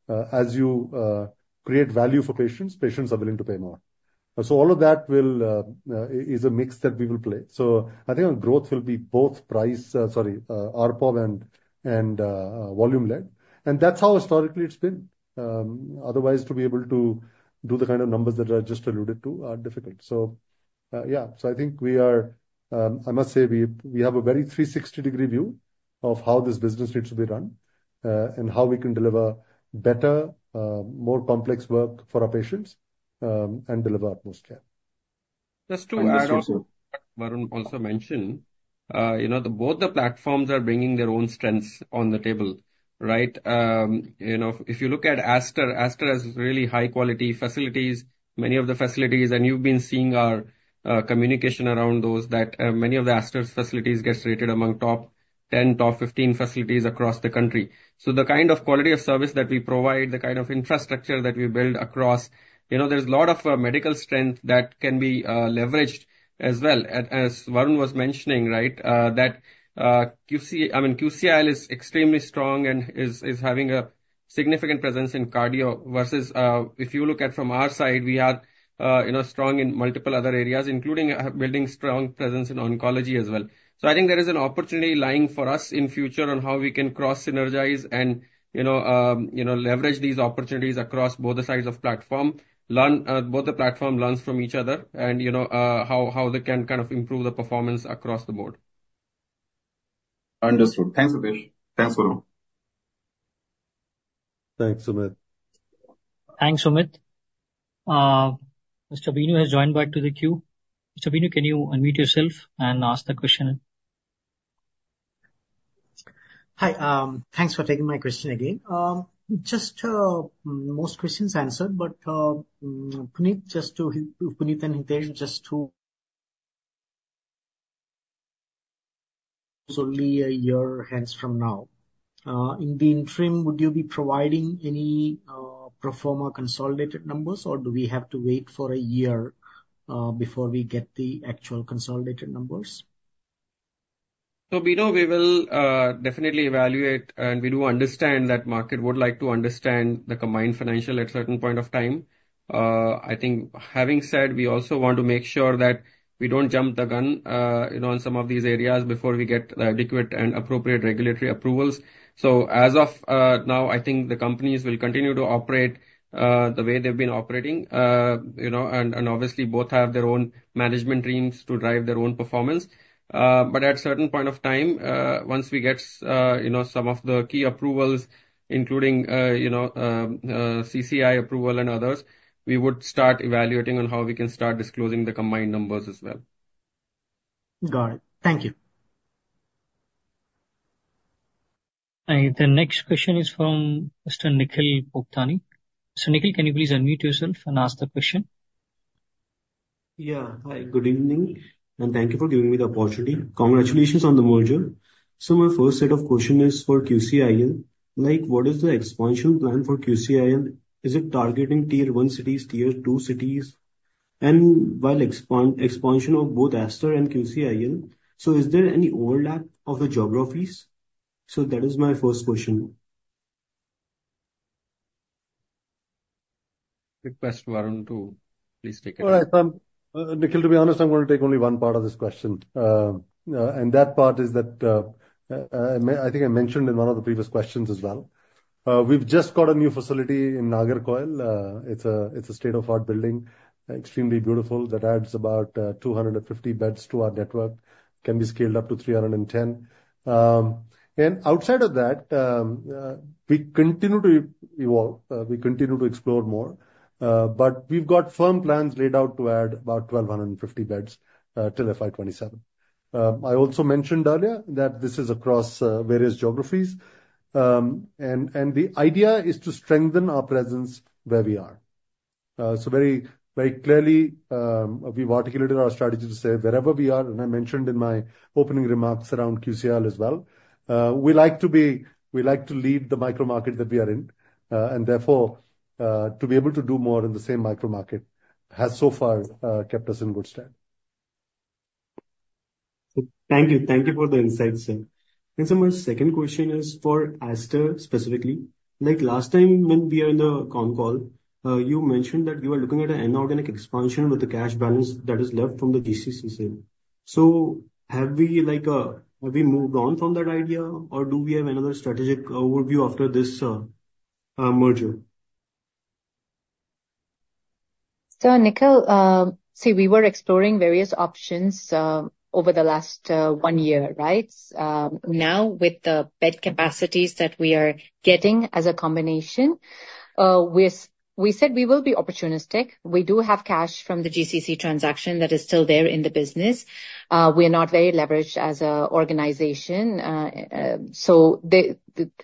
C: as you create value for patients, patients are willing to pay more. So all of that is a mix that we will play. So I think our growth will be both price, sorry, ARPOP and volume-led. And that's how historically it's been. Otherwise, to be able to do the kind of numbers that I just alluded to are difficult. So yeah, so I think we are, I must say, we have a very 360-degree view of how this business needs to be run and how we can deliver better, more complex work for our patients and deliver utmost care.
E: Just to add on to what Varun also mentioned, both the platforms are bringing their own strengths on the table, right? If you look at Aster, Aster has really high-quality facilities, many of the facilities, and you've been seeing our communication around those that many of the Aster facilities get rated among top 10, top 15 facilities across the country. So the kind of quality of service that we provide, the kind of infrastructure that we build across, there's a lot of medical strength that can be leveraged as well. As Varun was mentioning, right, that I mean, QCIL is extremely strong and is having a significant presence in cardio versus if you look at from our side, we are strong in multiple other areas, including building strong presence in oncology as well. So I think there is an opportunity lying for us in future on how we can cross-synergize and leverage these opportunities across both the sides of platform, both the platform learns from each other, and how they can kind of improve the performance across the board.
K: Understood. Thanks, Hitesh. Thanks, Varun.
C: Thanks, Sumit.
A: Thanks, Sumit. Mr. Binu has joined back to the queue. Mr. Binu, can you unmute yourself and ask the question?
D: Hi. Thanks for taking my question again. Just most questions answered, but Puneet, just to Puneet and Hitesh, just to leave your hands from now. In the interim, would you be providing any pro forma consolidated numbers, or do we have to wait for a year before we get the actual consolidated numbers?
E: So Binu, we will definitely evaluate, and we do understand that the market would like to understand the combined financial at a certain point of time. I think having said, we also want to make sure that we don't jump the gun on some of these areas before we get the adequate and appropriate regulatory approvals. As of now, I think the companies will continue to operate the way they've been operating. And obviously, both have their own management teams to drive their own performance. But at a certain point of time, once we get some of the key approvals, including CCI approval and others, we would start evaluating on how we can start disclosing the combined numbers as well.
D: Got it. Thank you.
A: The next question is from Mr. Nikhil Poktani. So Nikhil, can you please unmute yourself and ask the question?
L: Yeah. Hi. Good evening. Thank you for giving me the opportunity. Congratulations on the merger. My first set of questions is for QCIL. What is the expansion plan for QCIL? Is it targeting tier-one cities, tier-two cities, and while expansion of both Aster and QCIL? Is there any overlap of the geographies? That is my first question.
E: Request Varun to please take it.
C: All right. Nikhil, to be honest, I'm going to take only one part of this question. That part is that I think I mentioned in one of the previous questions as well. We've just got a new facility in Nagercoil. It's a state-of-the-art building, extremely beautiful, that adds about 250 beds to our network, can be scaled up to 310. Outside of that, we continue to evolve. We continue to explore more. But we've got firm plans laid out to add about 1,250 beds till FY 2027. I also mentioned earlier that this is across various geographies. And the idea is to strengthen our presence where we are. So very clearly, we've articulated our strategy to say wherever we are. And I mentioned in my opening remarks around QCIL as well. We like to lead the micro market that we are in. And therefore, to be able to do more in the same micro market has so far kept us in good stead.
L: Thank you. Thank you for the insights, sir. And so my second question is for Aster specifically. Last time when we were in the con call, you mentioned that you were looking at an inorganic expansion with the cash balance that is left from the GCC. So have we moved on from that idea, or do we have another strategic overview after this merger?
B: So Nikhil, see, we were exploring various options over the last one year, right? Now, with the bed capacities that we are getting as a combination, we said we will be opportunistic. We do have cash from the GCC transaction that is still there in the business. We are not very leveraged as an organization. So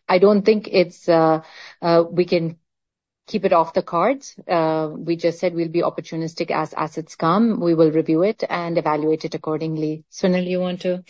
B: I don't think we can keep it off the cards. We just said we'll be opportunistic as assets come. We will review it and evaluate it accordingly. Sunil, you want to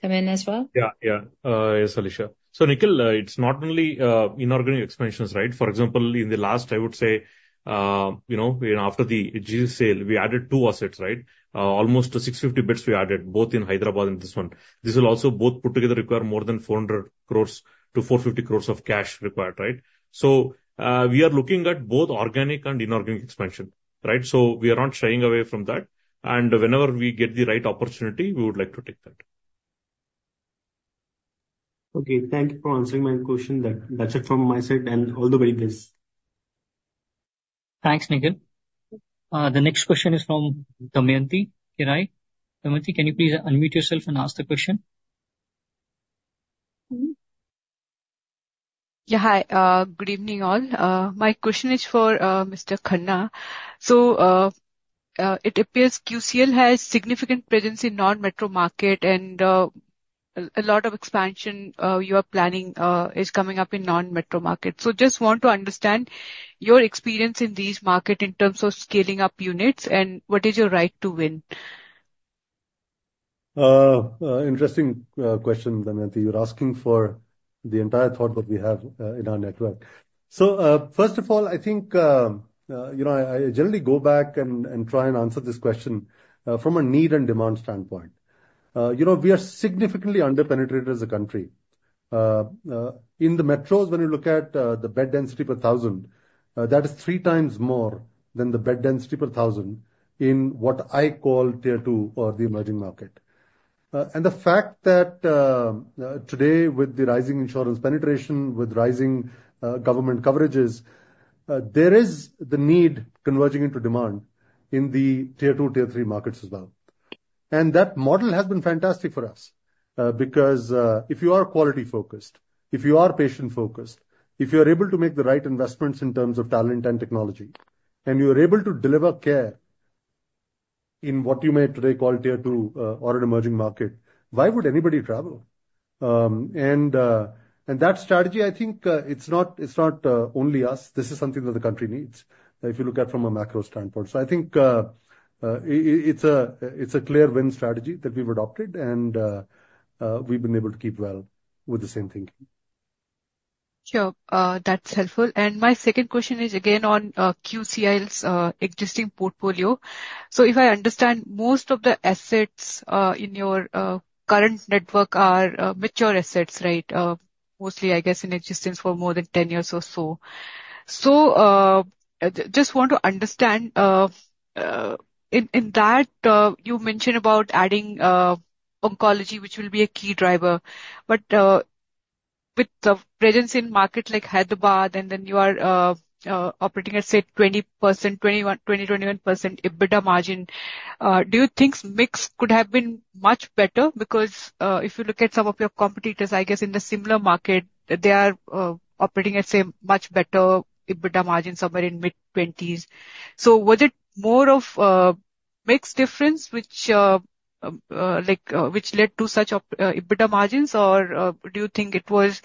B: come in as well?
H: Yeah, yeah. Yes, Alisha. So Nikhil, it's not only inorganic expansions, right? For example, in the last, I would say, after the GCC sale, we added two assets, right? Almost 650 beds we added, both in Hyderabad and this one. This will also both put together require more than 400 crores to 450 crores of cash required, right? So we are looking at both organic and inorganic expansion, right? So we are not shying away from that. And whenever we get the right opportunity, we would like to take that.
L: Okay. Thank you for answering my question. That's it from my side. And all the very best.
A: Thanks, Nikhil. The next question is from Damayanti Kerai. Damayanti, can you please unmute yourself and ask the question?
M: Yeah. Hi. Good evening, all. My question is for Mr. Khanna. So it appears QCIL has significant presence in non-metro market, and a lot of expansion you are planning is coming up in non-metro market. So just want to understand your experience in these markets in terms of scaling up units and what is your right to win?
C: Interesting question, Damayanti. You're asking for the entire thought that we have in our network. So first of all, I think I generally go back and try and answer this question from a need and demand standpoint. We are significantly under-penetrated as a country. In the metros, when you look at the bed density per thousand, that is three times more than the bed density per thousand in what I call tier-two or the emerging market. And the fact that today, with the rising insurance penetration, with rising government coverages, there is the need converging into demand in the tier-two, tier-three markets as well. And that model has been fantastic for us because if you are quality-focused, if you are patient-focused, if you are able to make the right investments in terms of talent and technology, and you are able to deliver care in what you may today call tier-two or an emerging market, why would anybody travel? And that strategy, I think it's not only us. This is something that the country needs if you look at it from a macro standpoint. So I think it's a clear win strategy that we've adopted, and we've been able to keep well with the same thinking.
M: Sure. That's helpful. And my second question is again on QCIL's existing portfolio. So if I understand, most of the assets in your current network are mature assets, right? Mostly in existence for more than 10 years or so. Just want to understand in that, you mentioned about adding oncology, which will be a key driver. But with the presence in market like Hyderabad, and then you are operating, I'd say, 20%-21% EBITDA margin, do you think mix could have been much better? Because if you look at some of your competitors in the similar market, they are operating, I'd say, much better EBITDA margin somewhere in mid-20s. So was it more of mixed difference which led to such EBITDA margins, or do you think it was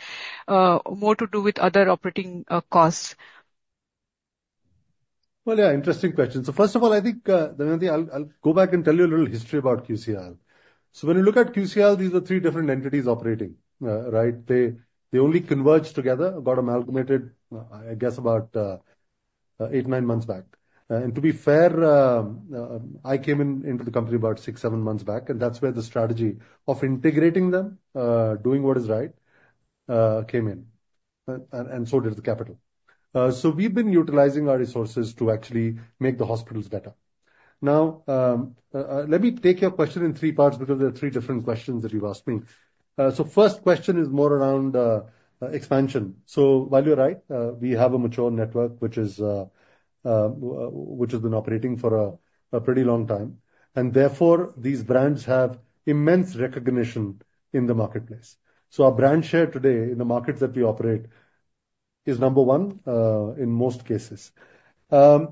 M: more to do with other operating costs?
C: Yeah, interesting question. First of all, I think, Damayanti, I'll go back and tell you a little history about QCIL. When you look at QCIL, these are three different entities operating, right? They only converged together, got amalgamated, I guess, about eight months, nine months back. To be fair, I came into the company about six months, seven months back, and that's where the strategy of integrating them, doing what is right, came in. And so did the capital. So we've been utilizing our resources to actually make the hospitals better. Now, let me take your question in three parts because there are three different questions that you've asked me. So first question is more around expansion. So while you're right, we have a mature network which has been operating for a pretty long time. And therefore, these brands have immense recognition in the marketplace. So our brand share today in the markets that we operate is number one in most cases. But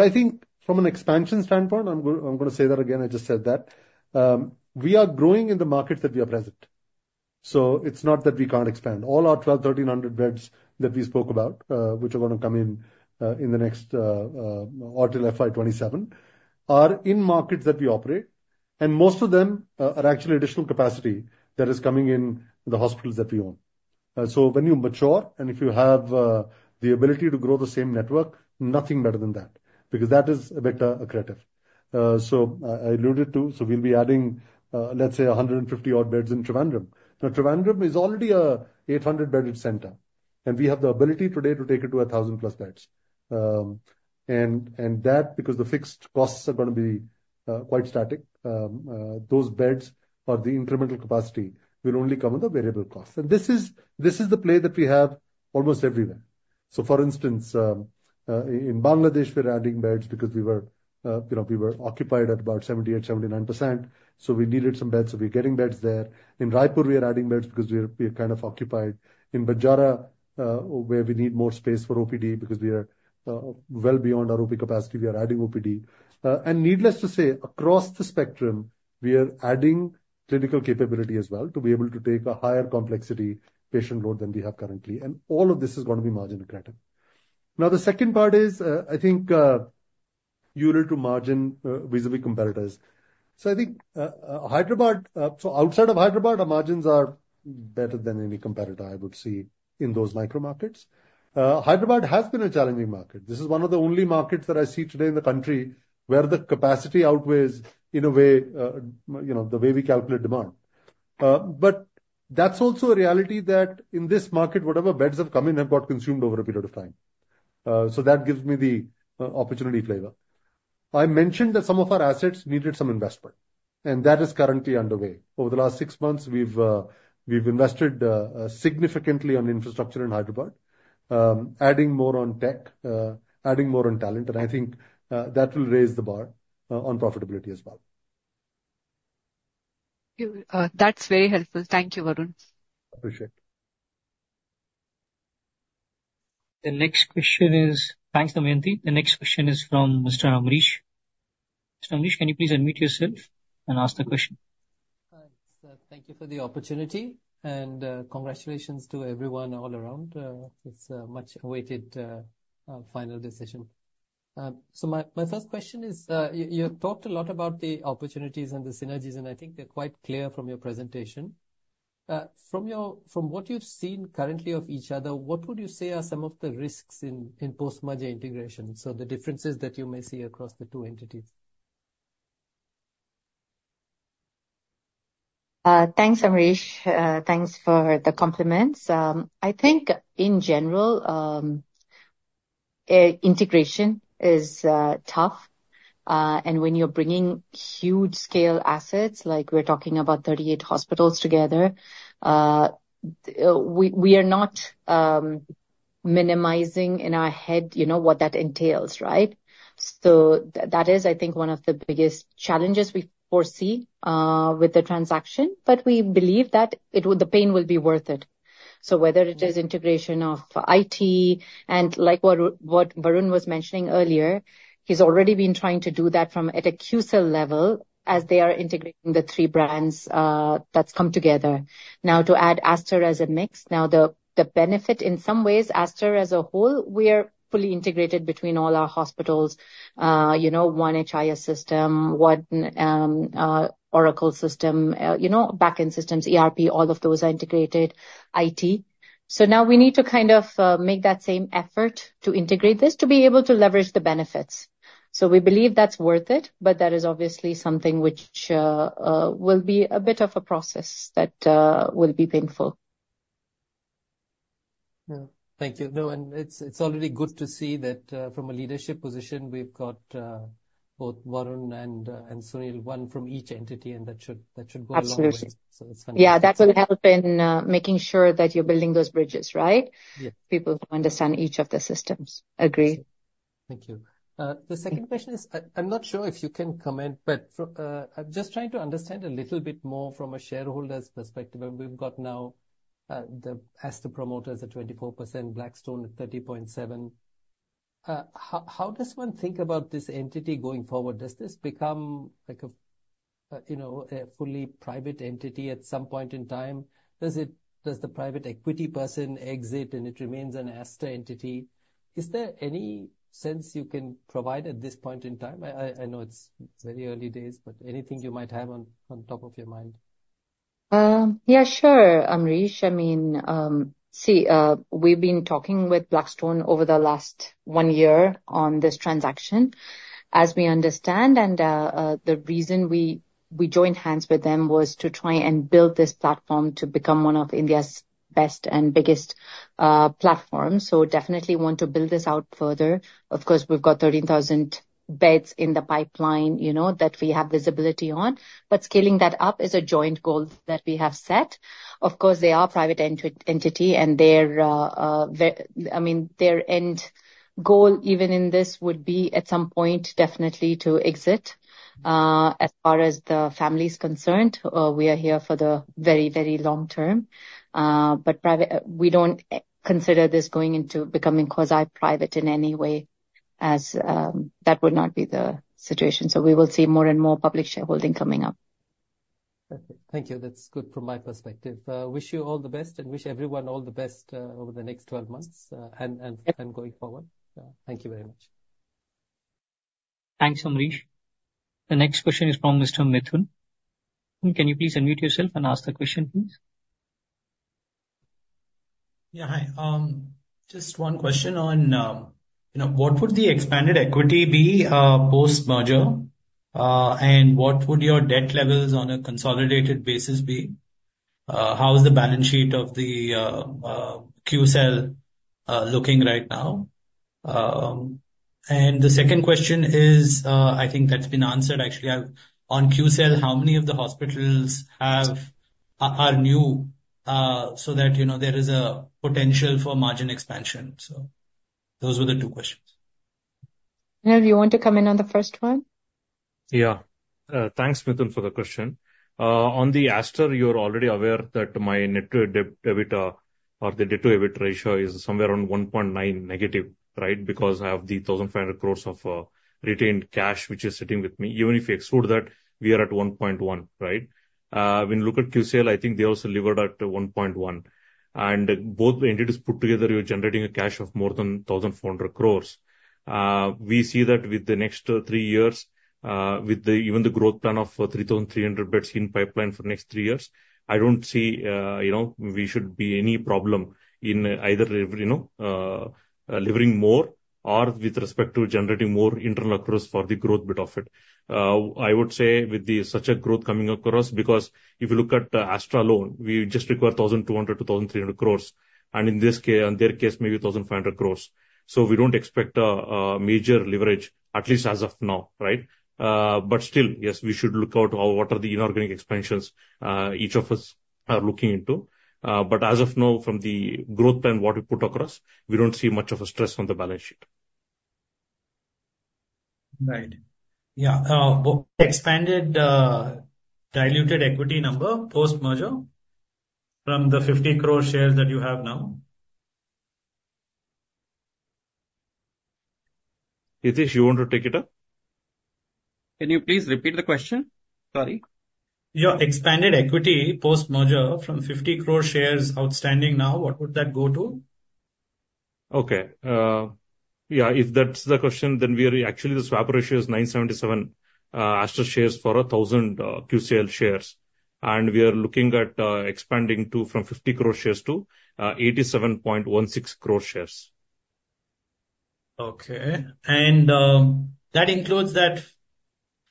C: I think from an expansion standpoint, I'm going to say that again. I just said that we are growing in the markets that we are present. So it's not that we can't expand. All our 1,200 beds to 1,300 beds that we spoke about, which are going to come in in the next until FY 2027, are in markets that we operate, and most of them are actually additional capacity that is coming in the hospitals that we own. When you mature and if you have the ability to grow the same network, nothing better than that because that is a bit accretive, so I alluded to, so we'll be adding, let's say, 150 odd beds in Trivandrum. Now, Trivandrum is already an 800-bedded center, and we have the ability today to take it to 1,000+ beds, and that, because the fixed costs are going to be quite static, those beds or the incremental capacity will only come with the variable costs, and this is the play that we have almost everywhere. For instance, in Bangladesh, we're adding beds because we were occupied at about 78%-79%. So we needed some beds, so we're getting beds there. In Raipur, we are adding beds because we're kind of occupied. In Banjara, where we need more space for OPD because we are well beyond our OP capacity, we are adding OPD. Needless to say, across the spectrum, we are adding clinical capability as well to be able to take a higher complexity patient load than we have currently. All of this is going to be margin-accretive. Now, the second part is, I think, unit to margin vis-à-vis competitors. I think outside of Hyderabad, our margins are better than any competitor, I would see, in those micro markets. Hyderabad has been a challenging market. This is one of the only markets that I see today in the country where the capacity outweighs in a way the way we calculate demand. But that's also a reality that in this market, whatever beds have come in have got consumed over a period of time. So that gives me the opportunity flavor. I mentioned that some of our assets needed some investment, and that is currently underway. Over the last six months, we've invested significantly on infrastructure in Hyderabad, adding more on tech, adding more on talent. And I think that will raise the bar on profitability as well.
M: That's very helpful. Thank you, Varun.
C: Appreciate it.
A: The next question is. Thanks, Damayanti. The next question is from Mr. Ambareesh. Mr. Ambareesh, can you please unmute yourself and ask the question?
N: Thank you for the opportunity. And congratulations to everyone all around. It's a much-awaited final decision. So my first question is, you've talked a lot about the opportunities and the synergies, and I think they're quite clear from your presentation. From what you've seen currently of each other, what would you say are some of the risks in post-merger integration? So the differences that you may see across the two entities.
B: Thanks, Ambareesh. Thanks for the compliments. I think, in general, integration is tough. And when you're bringing huge-scale assets, like we're talking about 38 hospitals together, we are not minimizing in our head what that entails, right? So that is, I think, one of the biggest challenges we foresee with the transaction. But we believe that the pain will be worth it. So, whether it is integration of IT and, like what Varun was mentioning earlier, he's already been trying to do that from at a QCIL level as they are integrating the three brands that's come together. Now, to add Aster as a mix, now the benefit in some ways, Aster as a whole, we are fully integrated between all our hospitals, one HIS system, one Oracle system, backend systems, ERP, all of those are integrated IT. So now we need to kind of make that same effort to integrate this to be able to leverage the benefits. So we believe that's worth it, but that is obviously something which will be a bit of a process that will be painful.
N: Yeah. Thank you. No, and it's already good to see that from a leadership position, we've got both Varun and Sunil, one from each entity, and that should go a long way.
B: Absolutely. So it's funny. Yeah, that will help in making sure that you're building those bridges, right? People who understand each of the systems. Agree.
N: Thank you. The second question is, I'm not sure if you can comment, but I'm just trying to understand a little bit more from a shareholder's perspective. And we've got now the Aster promoters at 24%, Blackstone at 30.7%. How does one think about this entity going forward? Does this become a fully private entity at some point in time? Does the private equity person exit and it remains an Aster entity? Is there any sense you can provide at this point in time? I know it's very early days, but anything you might have on top of your mind?
B: Yeah, sure, Ambareesh. I mean, see, we've been talking with Blackstone over the last one year on this transaction, as we understand. And the reason we joined hands with them was to try and build this platform to become one of India's best and biggest platforms. So definitely want to build this out further. Of course, we've got 13,000 beds in the pipeline that we have visibility on. But scaling that up is a joint goal that we have set. Of course, they are a private entity, and I mean, their end goal even in this would be at some point definitely to exit. As far as the family's concerned, we are here for the very, very long term. But we don't consider this going into becoming quasi-private in any way, as that would not be the situation. So we will see more and more public shareholding coming up.
N: Perfect. Thank you. That's good from my perspective. Wish you all the best and wish everyone all the best over the next 12 months and going forward. Thank you very much.
A: Thanks, Ambareesh. The next question is from Mr. Mithun. Can you please unmute yourself and ask the question, please?
O: Yeah. Hi. Just one question on what would the expanded equity be post-merger? And what would your debt levels on a consolidated basis be? How is the balance sheet of the QCIL looking right now? And the second question is, I think that's been answered, actually. On QCIL, how many of the hospitals are new so that there is a potential for margin expansion? So those were the two questions.
B: Do you want to come in on the first one?
A: Yeah. Thanks, Mithun, for the question. On the Aster, you're already aware that my net debt EBITDA or the debt-to-EBITDA ratio is somewhere around 1.9 negative, right? Because I have the 1,500 crores of retained cash which is sitting with me. Even if you exclude that, we are at 1.1, right? When you look at QCIL, I think they also delivered at 1.1. And both entities put together, you're generating a cash of more than 1,400 crores. We see that with the next three years, with even the growth plan of 3,300 beds in pipeline for the next three years, I don't see we should be any problem in either delivering more or with respect to generating more internal accruals for the growth bit of it. I would say with such a growth coming across because if you look at Aster alone, we just require 1,200 crores to 1,300 crores. And in their case, maybe 1,500 crores. So we don't expect a major leverage, at least as of now, right? But still, yes, we should look out what are the inorganic expansions each of us are looking into. But as of now, from the growth plan, what we put across, we don't see much of a stress on the balance sheet.
O: Right. Yeah. Expanded diluted equity number post-merger from the 50 crores shares that you have now?
C: Hitesh, you want to take it up?
E: Can you please repeat the question? Sorry.
O: Yeah. Expanded equity post-merger from 50 crores shares outstanding now, what would that go to?
E: Okay. Yeah. If that's the question, then we are actually, the swap ratio is 977 Aster shares for 1,000 QCIL shares. We are looking at expanding from 50 crores shares to 87.16 crore shares.
O: Okay. And that includes that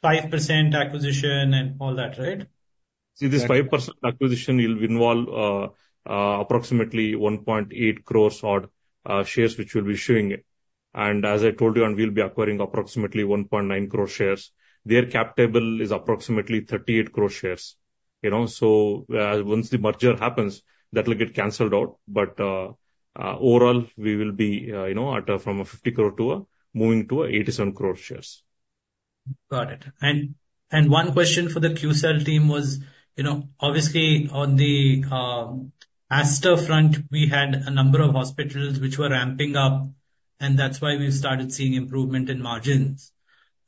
O: 5% acquisition and all that, right?
E: See, this 5% acquisition will involve approximately 1.8 crores shares which will be issuing it. And as I told you, and we'll be acquiring approximately 1.9 crores shares. Their cap table is approximately 38 crores shares. So once the merger happens, that will get canceled out. But overall, we will be from a 50 crores to a moving to 87 crores shares.
O: Got it. And one question for the QCIL team was, obviously, on the Aster front, we had a number of hospitals which were ramping up, and that's why we've started seeing improvement in margins.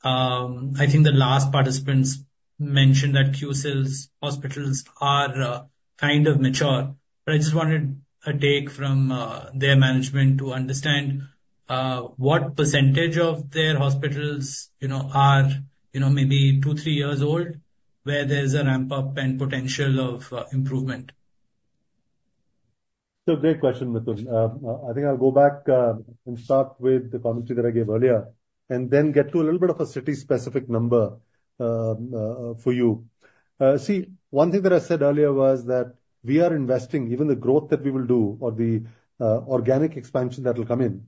O: I think the last participants mentioned that QCIL's hospitals are kind of mature. But I just wanted a take from their management to understand what percentage of their hospitals are maybe two, three years old, where there's a ramp-up and potential of improvement.
C: So great question, Mithun. I think I'll go back and start with the commentary that I gave earlier and then get to a little bit of a city-specific number for you. See, one thing that I said earlier was that we are investing, even the growth that we will do or the organic expansion that will come in,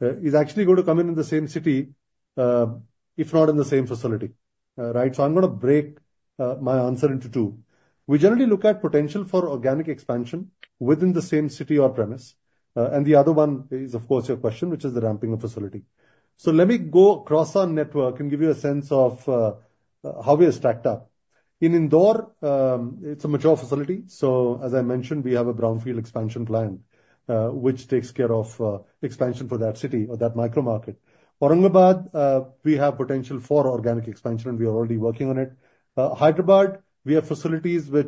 C: is actually going to come in in the same city, if not in the same facility, right? So I'm going to break my answer into two. We generally look at potential for organic expansion within the same city or premise. And the other one is, of course, your question, which is the ramping of facility. So let me go across our network and give you a sense of how we are stacked up. In Indore, it's a mature facility. So as I mentioned, we have a brownfield expansion plan which takes care of expansion for that city or that micro market. Aurangabad, we have potential for organic expansion, and we are already working on it. Hyderabad, we have facilities where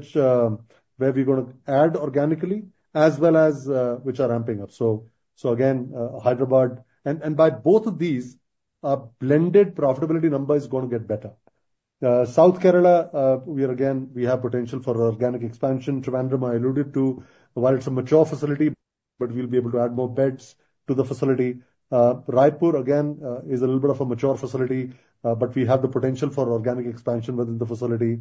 C: we're going to add organically, as well as which are ramping up. So again, Hyderabad. And by both of these, our blended profitability number is going to get better. South Kerala, again, we have potential for organic expansion. Trivandrum I alluded to, while it's a mature facility, but we'll be able to add more beds to the facility. Raipur, again, is a little bit of a mature facility, but we have the potential for organic expansion within the facility.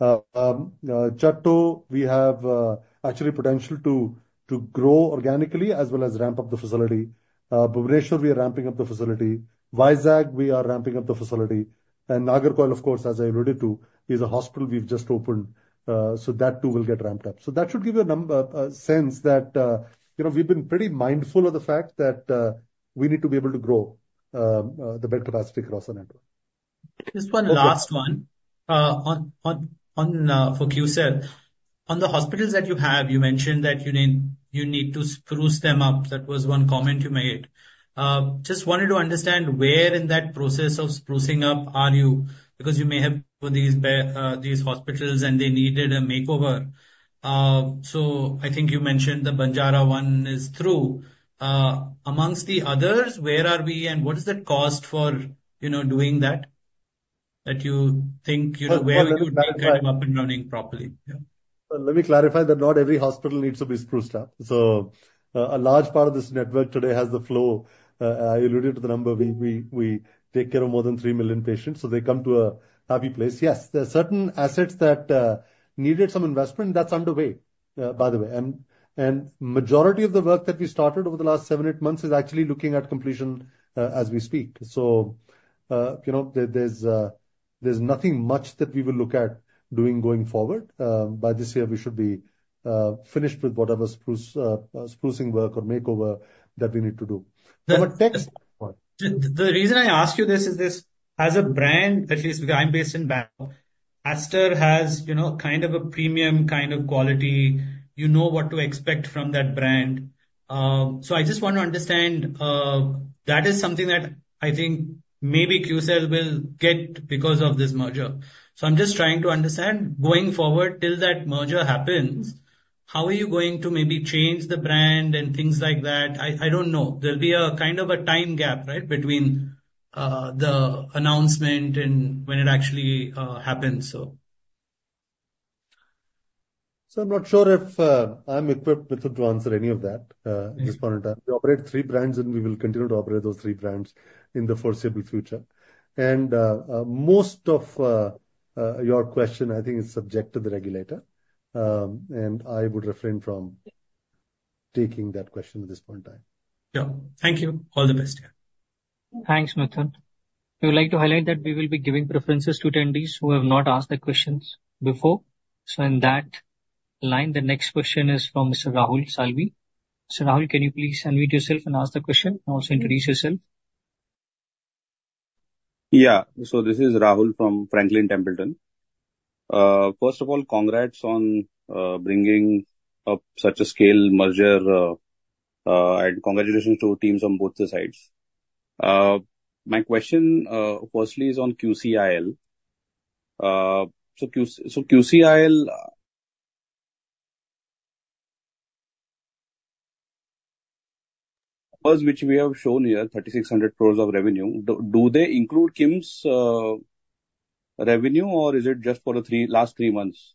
C: Chattogram, we have actually potential to grow organically as well as ramp up the facility. Bhubaneswar, we are ramping up the facility. Visakhapatnam, we are ramping up the facility. And Nagercoil, of course, as I alluded to, is a hospital we've just opened. So that too will get ramped up. So that should give you a sense that we've been pretty mindful of the fact that we need to be able to grow the bed capacity across the network.
O: Just one last one for QCIL. On the hospitals that you have, you mentioned that you need to spruce them up. That was one comment you made. Just wanted to understand where in that process of sprucing up are you? Because you may have these hospitals, and they needed a makeover. So I think you mentioned the Banjara one is through. Amongst the others, where are we, and what is the cost for doing that? That you think where you need to get them up and running properly?
C: Let me clarify that not every hospital needs to be spruced up. A large part of this network today has the flow. I alluded to the number. We take care of more than three million patients. They come to a happy place. Yes, there are certain assets that needed some investment. That's underway, by the way. A majority of the work that we started over the last seven, eight months is actually looking at completion as we speak. There's nothing much that we will look at doing going forward. By this year, we should be finished with whatever sprucing work or makeover that we need to do.
O: The reason I ask you this is this: as a brand, at least because I'm based in Bengal, Aster has kind of a premium kind of quality. You know what to expect from that brand. So I just want to understand, that is something that I think maybe QCIL will get because of this merger. So I'm just trying to understand going forward, till that merger happens, how are you going to maybe change the brand and things like that? I don't know. There'll be a kind of a time gap, right, between the announcement and when it actually happens.
C: So I'm not sure if I'm equipped to answer any of that at this point in time. We operate three brands, and we will continue to operate those three brands in the foreseeable future, and most of your question, I think, is subject to the regulator. And I would refrain from taking that question at this point in time. Yeah.
O: Thank you. All the best here.
A: Thanks, Mithun. I would like to highlight that we will be giving preferences to attendees who have not asked the questions before. So in that line, the next question is from Mr. Rahul Salvi. Mr. Rahul, can you please unmute yourself and ask the question and also introduce yourself?
P: Yeah. So this is Rahul from Franklin Templeton. First of all, congrats on bringing up such a scale merger, and congratulations to teams on both the sides. My question firstly is on QCIL. So QCIL, which we have shown here, 3,600 crores of revenue, do they include KIMS revenue, or is it just for the last three months?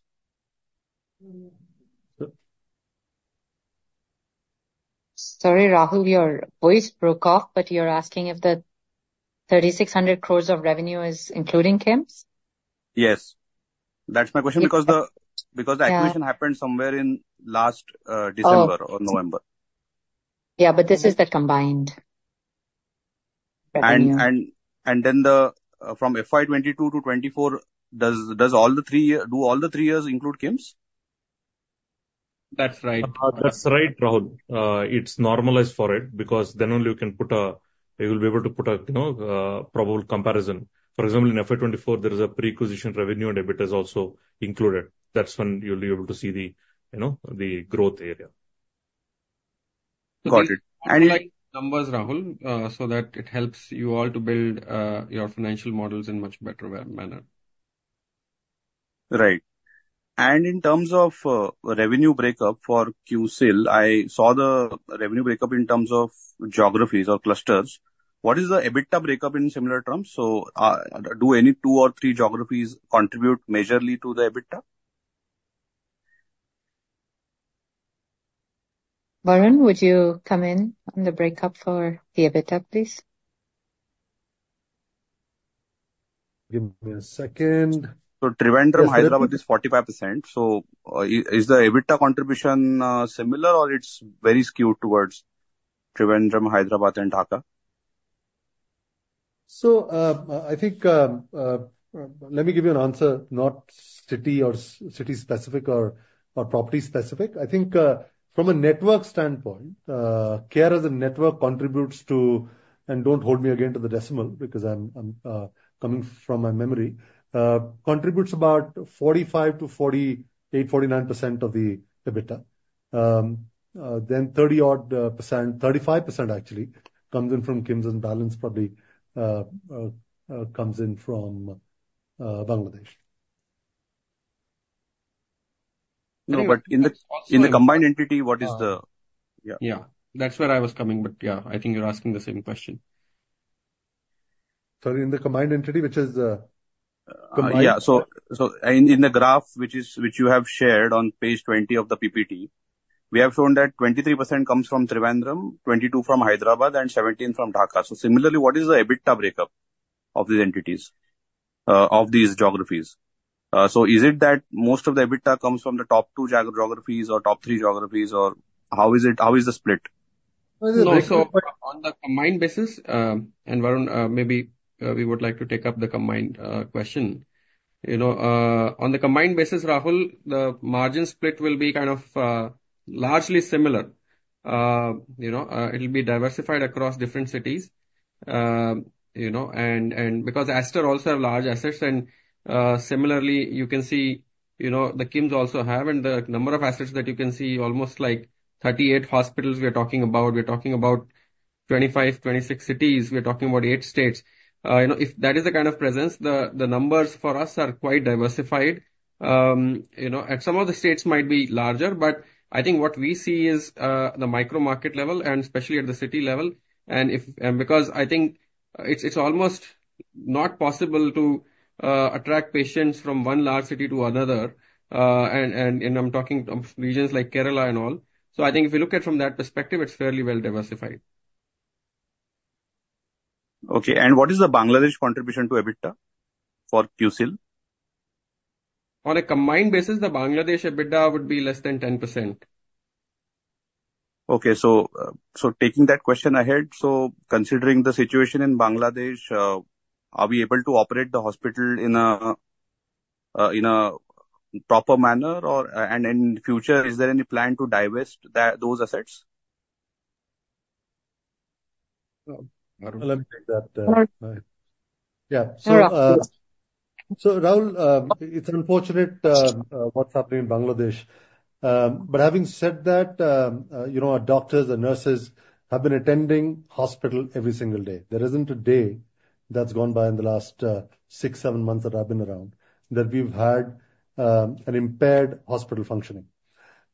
B: Sorry, Rahul, your voice broke off, but you're asking if the 3,600 crores of revenue is including KIMS?
P: Yes. That's my question because the acquisition happened somewhere in last December or November.
B: Yeah, but this is the combined.
P: And then from FY 2022 to 2024, does all the three years include KIMS?
H: That's right.
C: That's right, Rahul. It's normalized for it because then only you can put a you'll be able to put a probable comparison. For example, in FY 2024, there is a pre-acquisition revenue and EBITDA is also included. That's when you'll be able to see the growth area.
P: Got it.
C: And numbers, Rahul, so that it helps you all to build your financial models in a much better manner.
P: Right. And in terms of revenue breakup for QCIL, I saw the revenue breakup in terms of geographies or clusters. What is the EBITDA breakup in similar terms? So do any two or three geographies contribute majorly to the EBITDA?
B: Varun, would you come in on the breakup for the EBITDA, please?
C: Give me a second.
P: So Trivandrum, Hyderabad is 45%. So is the EBITDA contribution similar, or it's very skewed towards Trivandrum, Hyderabad, and Dhaka?
C: So I think let me give you an answer, not city-specific or property-specific. I think from a network standpoint, CARE as a network contributes, and don't hold me again to the decimal because I'm coming from my memory, contributes about 45% to 49% of the EBITDA. Then 30-odd%, 35% actually, comes in from KIMS and balance probably comes in from Bangladesh.
P: No, but in the combined entity, what is the? Yeah.
H: Yeah. That's where I was coming, but yeah, I think you're asking the same question.
C: Sorry, in the combined entity, which is the combined?
P: Yeah. In the graph which you have shared on page 20 of the PPT, we have shown that 23% comes from Trivandrum, 22% from Hyderabad, and 17% from Dhaka. Similarly, what is the EBITDA breakup of these entities, of these geographies? Is it that most of the EBITDA comes from the top two geographies or top three geographies, or how is the split?
H: No. On the combined basis, and Varun, maybe we would like to take up the combined question. On the combined basis, Rahul, the margin split will be kind of largely similar. It will be diversified across different cities. And because Aster also have large assets, and similarly, you can see the KIMS also have, and the number of assets that you can see, almost like 38 hospitals we are talking about. We are talking about 25-26 cities. We are talking about eight states. If that is the kind of presence, the numbers for us are quite diversified. And some of the states might be larger, but I think what we see is the micro market level, and especially at the city level. And because I think it's almost not possible to attract patients from one large city to another, and I'm talking of regions like Kerala and all. So I think if you look at it from that perspective, it's fairly well diversified.
Q: Okay. And what is the Bangladesh contribution to EBITDA for QCIL?
H: On a combined basis, the Bangladesh EBITDA would be less than 10%.
P: Okay. So taking that question ahead, so considering the situation in Bangladesh, are we able to operate the hospital in a proper manner? And in the future, is there any plan to divest those assets?
C: Yeah. So Rahul, it's unfortunate what's happening in Bangladesh. But having said that, our doctors, our nurses have been attending hospital every single day. There isn't a day that's gone by in the last six, seven months that I've been around that we've had an impaired hospital functioning.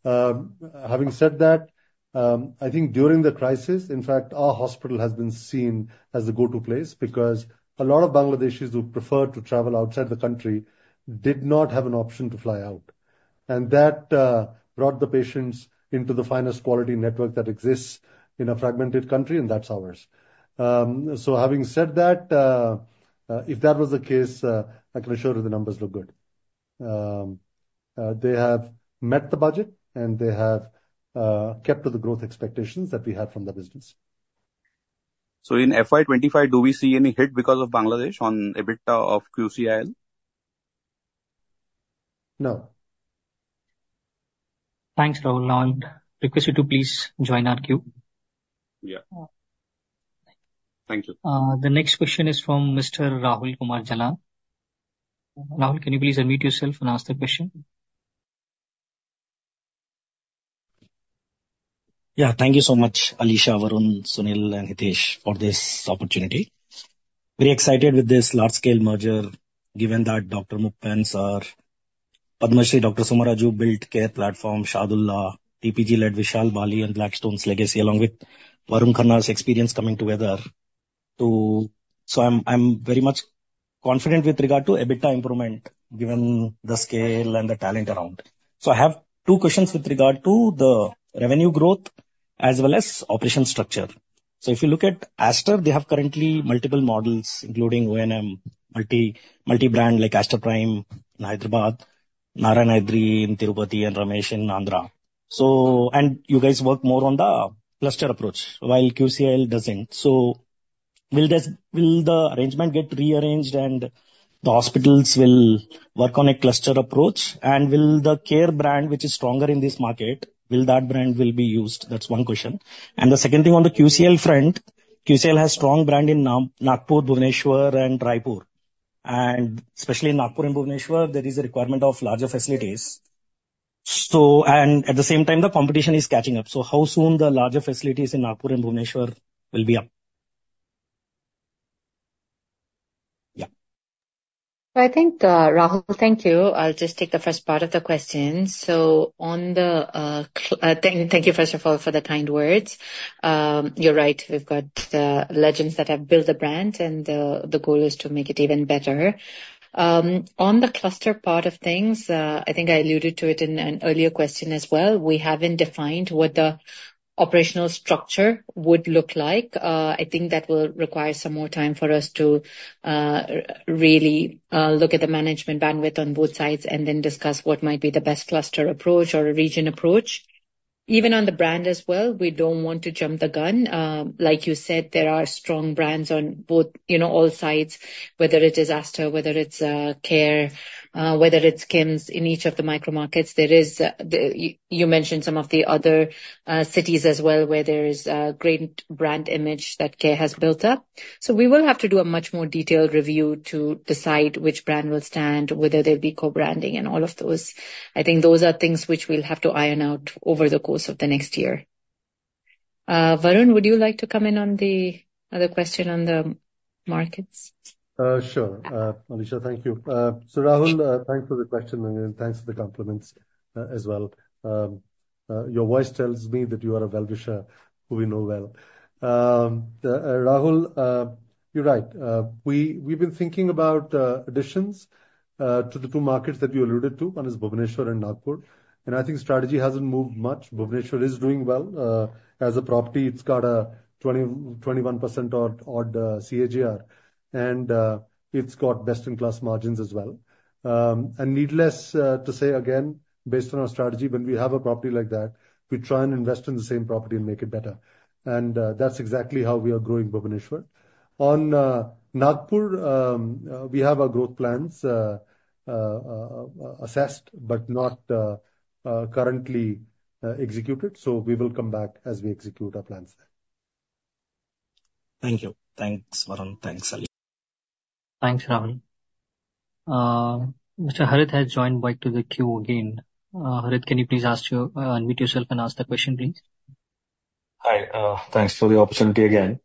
C: Having said that, I think during the crisis, in fact, our hospital has been seen as the go-to place because a lot of Bangladeshis who prefer to travel outside the country did not have an option to fly out. And that brought the patients into the finest quality network that exists in a fragmented country, and that's ours. So having said that, if that was the case, I can assure you the numbers look good. They have met the budget, and they have kept to the growth expectations that we had from the business.
P: So in FY 2025, do we see any hit because of Bangladesh on EBITDA of QCIL?
C: No.
A: Thanks, Rahul. Now, I'll request you to please join our queue. Yeah. Thank you. The next question is from Mr. Rahul Kumar Jalan. Rahul, can you please unmute yourself and ask the question?
Q: Yeah. Thank you so much, Alisha, Varun, Sunil, and Hitesh for this opportunity. Very excited with this large-scale merger given that Dr. Moopen, Padma Shri Dr. Somaraju built CARE platform, TPG-led Vishal Bali, and Blackstone's legacy along with Varun Khanna's experience coming together. So I'm very much confident with regard to EBITDA improvement given the scale and the talent around. So I have two questions with regard to the revenue growth as well as operation structure. So if you look at Aster, they have currently multiple models, including O&M, multi-brand like Aster Prime, Hyderabad, Narayanadri, Tirupati, and Ramesh in Andhra. And you guys work more on the cluster approach while QCIL doesn't. So will the arrangement get rearranged and the hospitals will work on a cluster approach? And will the CARE brand, which is stronger in this market, will that brand be used? That's one question. And the second thing on the QCIL front, QCIL has a strong brand in Nagpur, Bhubaneswar, and Raipur. And especially in Nagpur and Bhubaneswar, there is a requirement of larger facilities. And at the same time, the competition is catching up. So how soon the larger facilities in Nagpur and Bhubaneswar will be up? Yeah.
B: I think, Rahul, thank you. I'll just take the first part of the question. So, thank you, first of all, for the kind words. You're right. We've got legends that have built the brand, and the goal is to make it even better. On the cluster part of things, I think I alluded to it in an earlier question as well. We haven't defined what the operational structure would look like. I think that will require some more time for us to really look at the management bandwidth on both sides and then discuss what might be the best cluster approach or a region approach. Even on the brand as well, we don't want to jump the gun. Like you said, there are strong brands on all sides, whether it is Aster, whether it's CARE, whether it's KIMS in each of the micro markets. You mentioned some of the other cities as well where there is a great brand image that CARE has built up. So we will have to do a much more detailed review to decide which brand will stand, whether there'll be co-branding and all of those. I think those are things which we'll have to iron out over the course of the next year. Varun, would you like to come in on the other question on the markets?
C: Sure. Alisha, thank you. So Rahul, thanks for the question, and thanks for the compliments as well. Your voice tells me that you are a well-wisher who we know well. Rahul, you're right. We've been thinking about additions to the two markets that you alluded to. One is Bhubaneswar and Nagpur. And I think strategy hasn't moved much. Bhubaneswar is doing well. As a property, it's got a 21% odd CAGR. And it's got best-in-class margins as well. And needless to say again, based on our strategy, when we have a property like that, we try and invest in the same property and make it better. And that's exactly how we are growing Bhubaneswar. On Nagpur, we have our growth plans assessed, but not currently executed. So we will come back as we execute our plans there.
Q: Thank you. Thanks, Varun. Thanks, Alisha.
A: Thanks, Rahul. Mr. Harith has joined back to the queue again. Harit, can you please unmute yourself and ask the question, please?
F: Hi. Thanks for the opportunity again.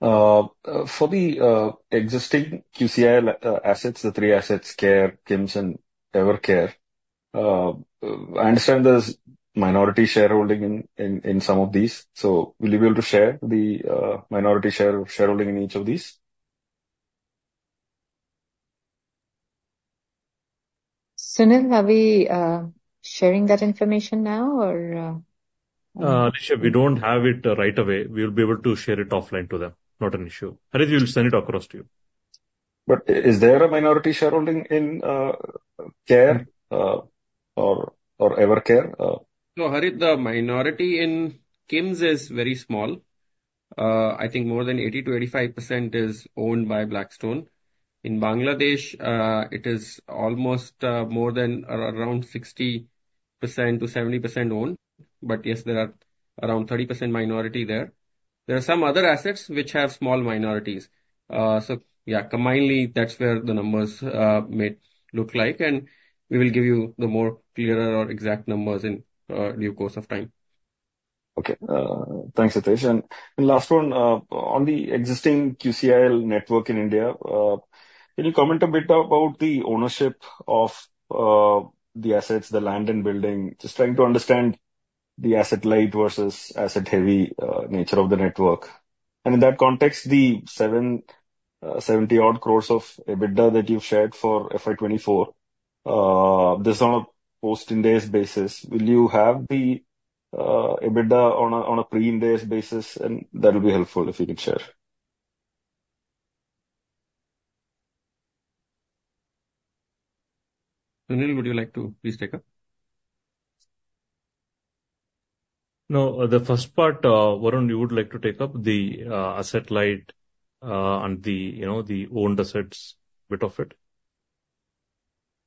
F: For the existing QCIL assets, the three assets, CARE, KIMS, and Evercare, I understand there's minority shareholding in some of these. So will you be able to share the minority shareholding in each of these?
B: Sunil, are we sharing that information now, or?
H: Alisha, we don't have it right away. We'll be able to share it offline to them. Not an issue. Harith, we'll send it across to you.
F: But is there a minority shareholding in CARE or Evercare?
E: No, Harith, the minority in KIMS is very small. I think more than 80%-85% is owned by Blackstone. In Bangladesh, it is almost more than around 60%-70% owned. But yes, there are around 30% minority there. There are some other assets which have small minorities. So yeah, combinedly, that's where the numbers look like. And we will give you the more clearer or exact numbers in due course of time.
F: Okay. Thanks, Hitesh. And last one, on the existing QCIL network in India, can you comment a bit about the ownership of the assets, the land and building, just trying to understand the asset-light versus asset-heavy nature of the network? And in that context, the 70-odd crores of EBITDA that you've shared for FY 2024, this is on a post-Ind AS basis. Will you have the EBITDA on a pre-Ind AS basis? And that will be helpful if you can share.
E: Sunil, would you like to please take up?
H: No, the first part, Varun, you would like to take up the asset-light and the owned assets bit of it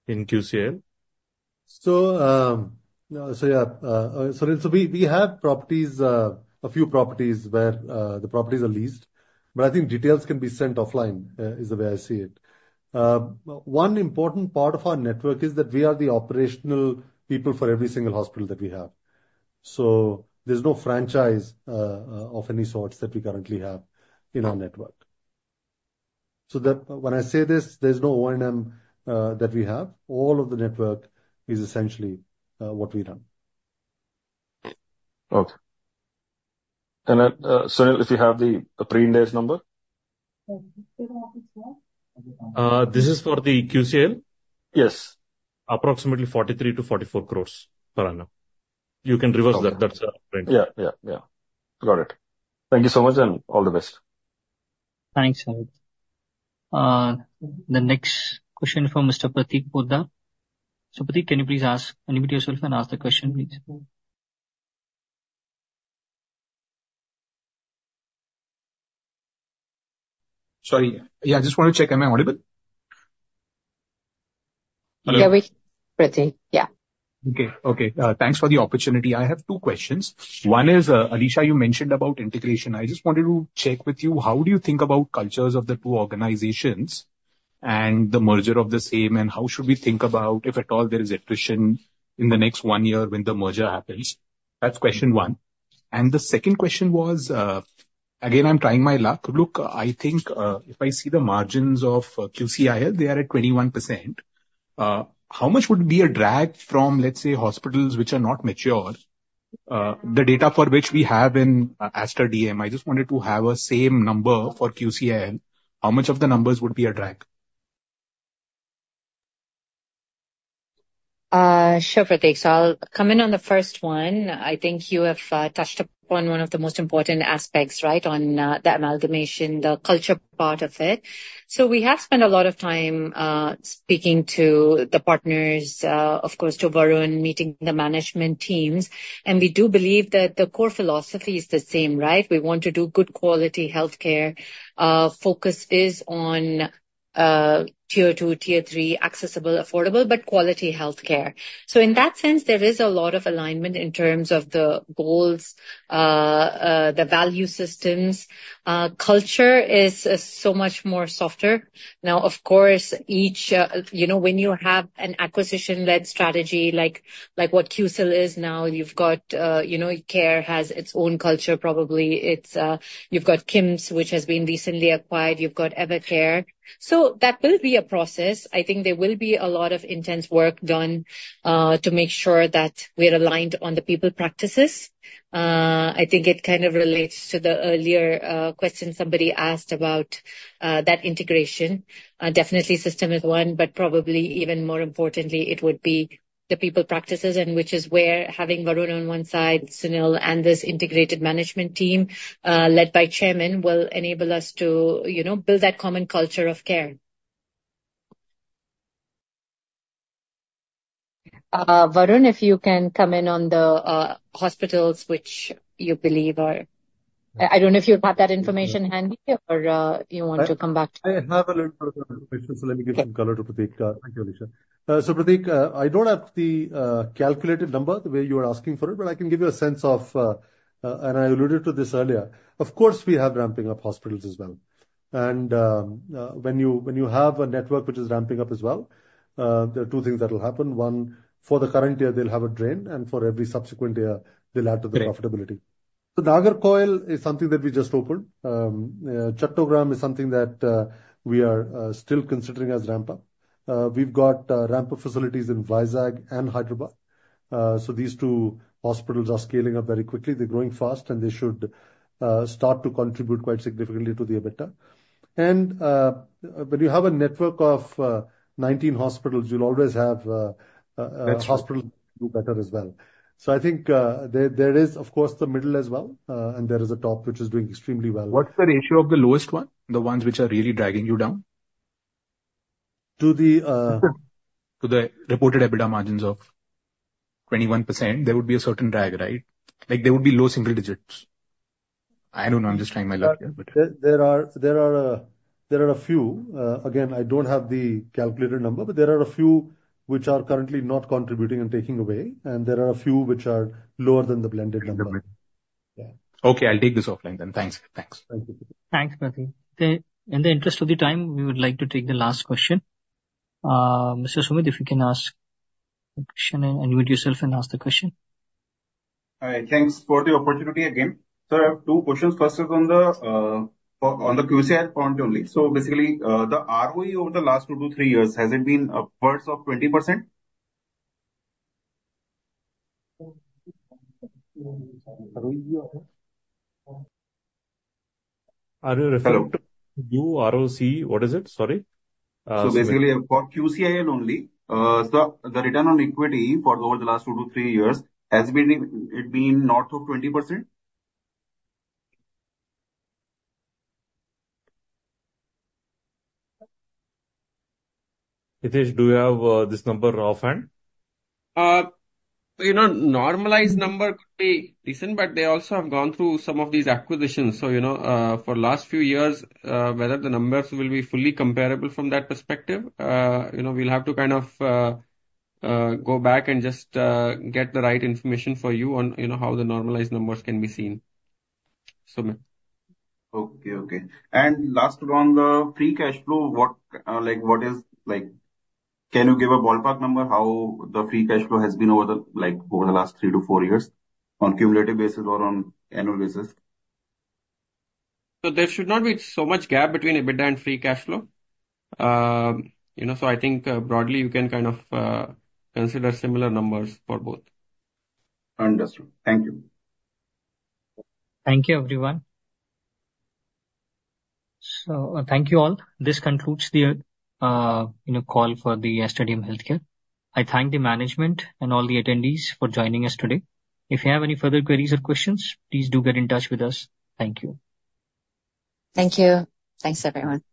H: in QCIL?
C: So yeah, Sunil, so we have properties, a few properties where the properties are leased. But I think details can be sent offline is the way I see it. One important part of our network is that we are the operational people for every single hospital that we have. So there's no franchise of any sorts that we currently have in our network. So when I say this, there's no ONM that we have. All of the network is essentially what we run.
F: Okay. And Sunil, if you have the pre-Ind AS number?
H: This is for the QCIL?
F: Yes.
H: Approximately 43 crores to 44 crores per annum. You can reverse that. That's the range of it.
F: Yeah. Yeah. Yeah. Got it. Thank you so much and all the best.
A: Thanks, Harit. The next question for Mr. Pratik Pota. So Prateek, can you please unmute yourself and ask the question, please?
R: Sorry. Yeah, I just want to check. Am I audible? Yeah, we can hear you, Prateek. Yeah. Okay. Thanks for the opportunity. I have two questions. One is, Alisha, you mentioned about integration. I just wanted to check with you, how do you think about cultures of the two organizations and the merger of the same, and how should we think about, if at all, there is attrition in the next one year when the merger happens? That's question one. And the second question was, again, I'm trying my luck. Look, I think if I see the margins of QCIL, they are at 21%. How much would be a drag from, let's say, hospitals which are not mature? The data for which we have in Aster DM, I just wanted to have a same number for QCIL. How much of the numbers would be a drag?
B: Sure, Pratik. So I'll come in on the first one. I think you have touched upon one of the most important aspects, right, on the amalgamation, the culture part of it. So we have spent a lot of time speaking to the partners, of course, to Varun, meeting the management teams. And we do believe that the core philosophy is the same, right? We want to do good quality healthcare. Focus is on tier two, tier three, accessible, affordable, but quality healthcare. So in that sense, there is a lot of alignment in terms of the goals, the value systems. Culture is so much more softer. Now, of course, when you have an acquisition-led strategy like what QCIL is now, you've got CARE has its own culture, probably. You've got KIMS, which has been recently acquired. You've got Evercare. So that will be a process. I think there will be a lot of intense work done to make sure that we're aligned on the people practices. I think it kind of relates to the earlier question somebody asked about that integration. Definitely, system is one, but probably even more importantly, it would be the people practices, which is where having Varun on one side, Sunil, and this integrated management team led by Chairman will enable us to build that common culture of care. Varun, if you can come in on the hospitals which you believe are. I don't know if you have that information handy or you want to come back to.
C: I have a little bit of information, so let me give some color to Prateek. Thank you, Alisha. So Pratik, I don't have the calculated number the way you are asking for it, but I can give you a sense of, and I alluded to this earlier. Of course, we have ramping-up hospitals as well. And when you have a network which is ramping up as well, there are two things that will happen. One, for the current year, they'll have a drain, and for every subsequent year, they'll add to the profitability. So Nagercoil is something that we just opened. Chattogram is something that we are still considering as ramp-up. We've got ramp-up facilities in Vizag and Hyderabad. So these two hospitals are scaling up very quickly. They're growing fast, and they should start to contribute quite significantly to the EBITDA.
E: And when you have a network of 19 hospitals, you'll always have hospitals that do better as well. So I think there is, of course, the middle as well, and there is a top which is doing extremely well.
R: What's the ratio of the lowest one, the ones which are really dragging you down? To the reported EBITDA margins of 21%, there would be a certain drag, right? There would be low single digits. I don't know. I'm just trying my luck here, but.
C: There are a few. Again, I don't have the calculated number, but there are a few which are currently not contributing and taking away. And there are a few which are lower than the blended number.
R: Yeah. Okay. I'll take this offline then. Thanks. Thanks.
B: Thanks, Pratik.
A: In the interest of the time, we would like to take the last question. Mr. Sumit, if you can ask the question and unmute yourself and ask the question.
K: All right. Thanks for the opportunity again. So I have two questions. First is on the QCIL point only. So basically, the ROE over the last two to three years has it been upwards of 20%?
C: Are you referring to your ROC? What is it? Sorry.
K: So basically, for QCIL only, the return on equity for over the last two to three years has it been north of 20%?
C: Hitesh, do you have this number offhand?
E: Normalized number could be decent, but they also have gone through some of these acquisitions. So for the last few years, whether the numbers will be fully comparable from that perspective, we'll have to kind of go back and just get the right information for you on how the normalized numbers can be seen.
H: Okay. Okay. And last one, the free cash flow, what is, can you give a ballpark number how the free cash flow has been over the last three to four years on a cumulative basis or on annual basis? So there should not be so much gap between EBITDA and free cash flow. So I think broadly, you can kind of consider similar numbers for both.
K: Understood. Thank you.
A: Thank you, everyone. So thank you all. This concludes the call for the Aster DM Healthcare. I thank the management and all the attendees for joining us today. If you have any further queries or questions, please do get in touch with us. Thank you.
B: Thank you. Thanks, everyone. Take care.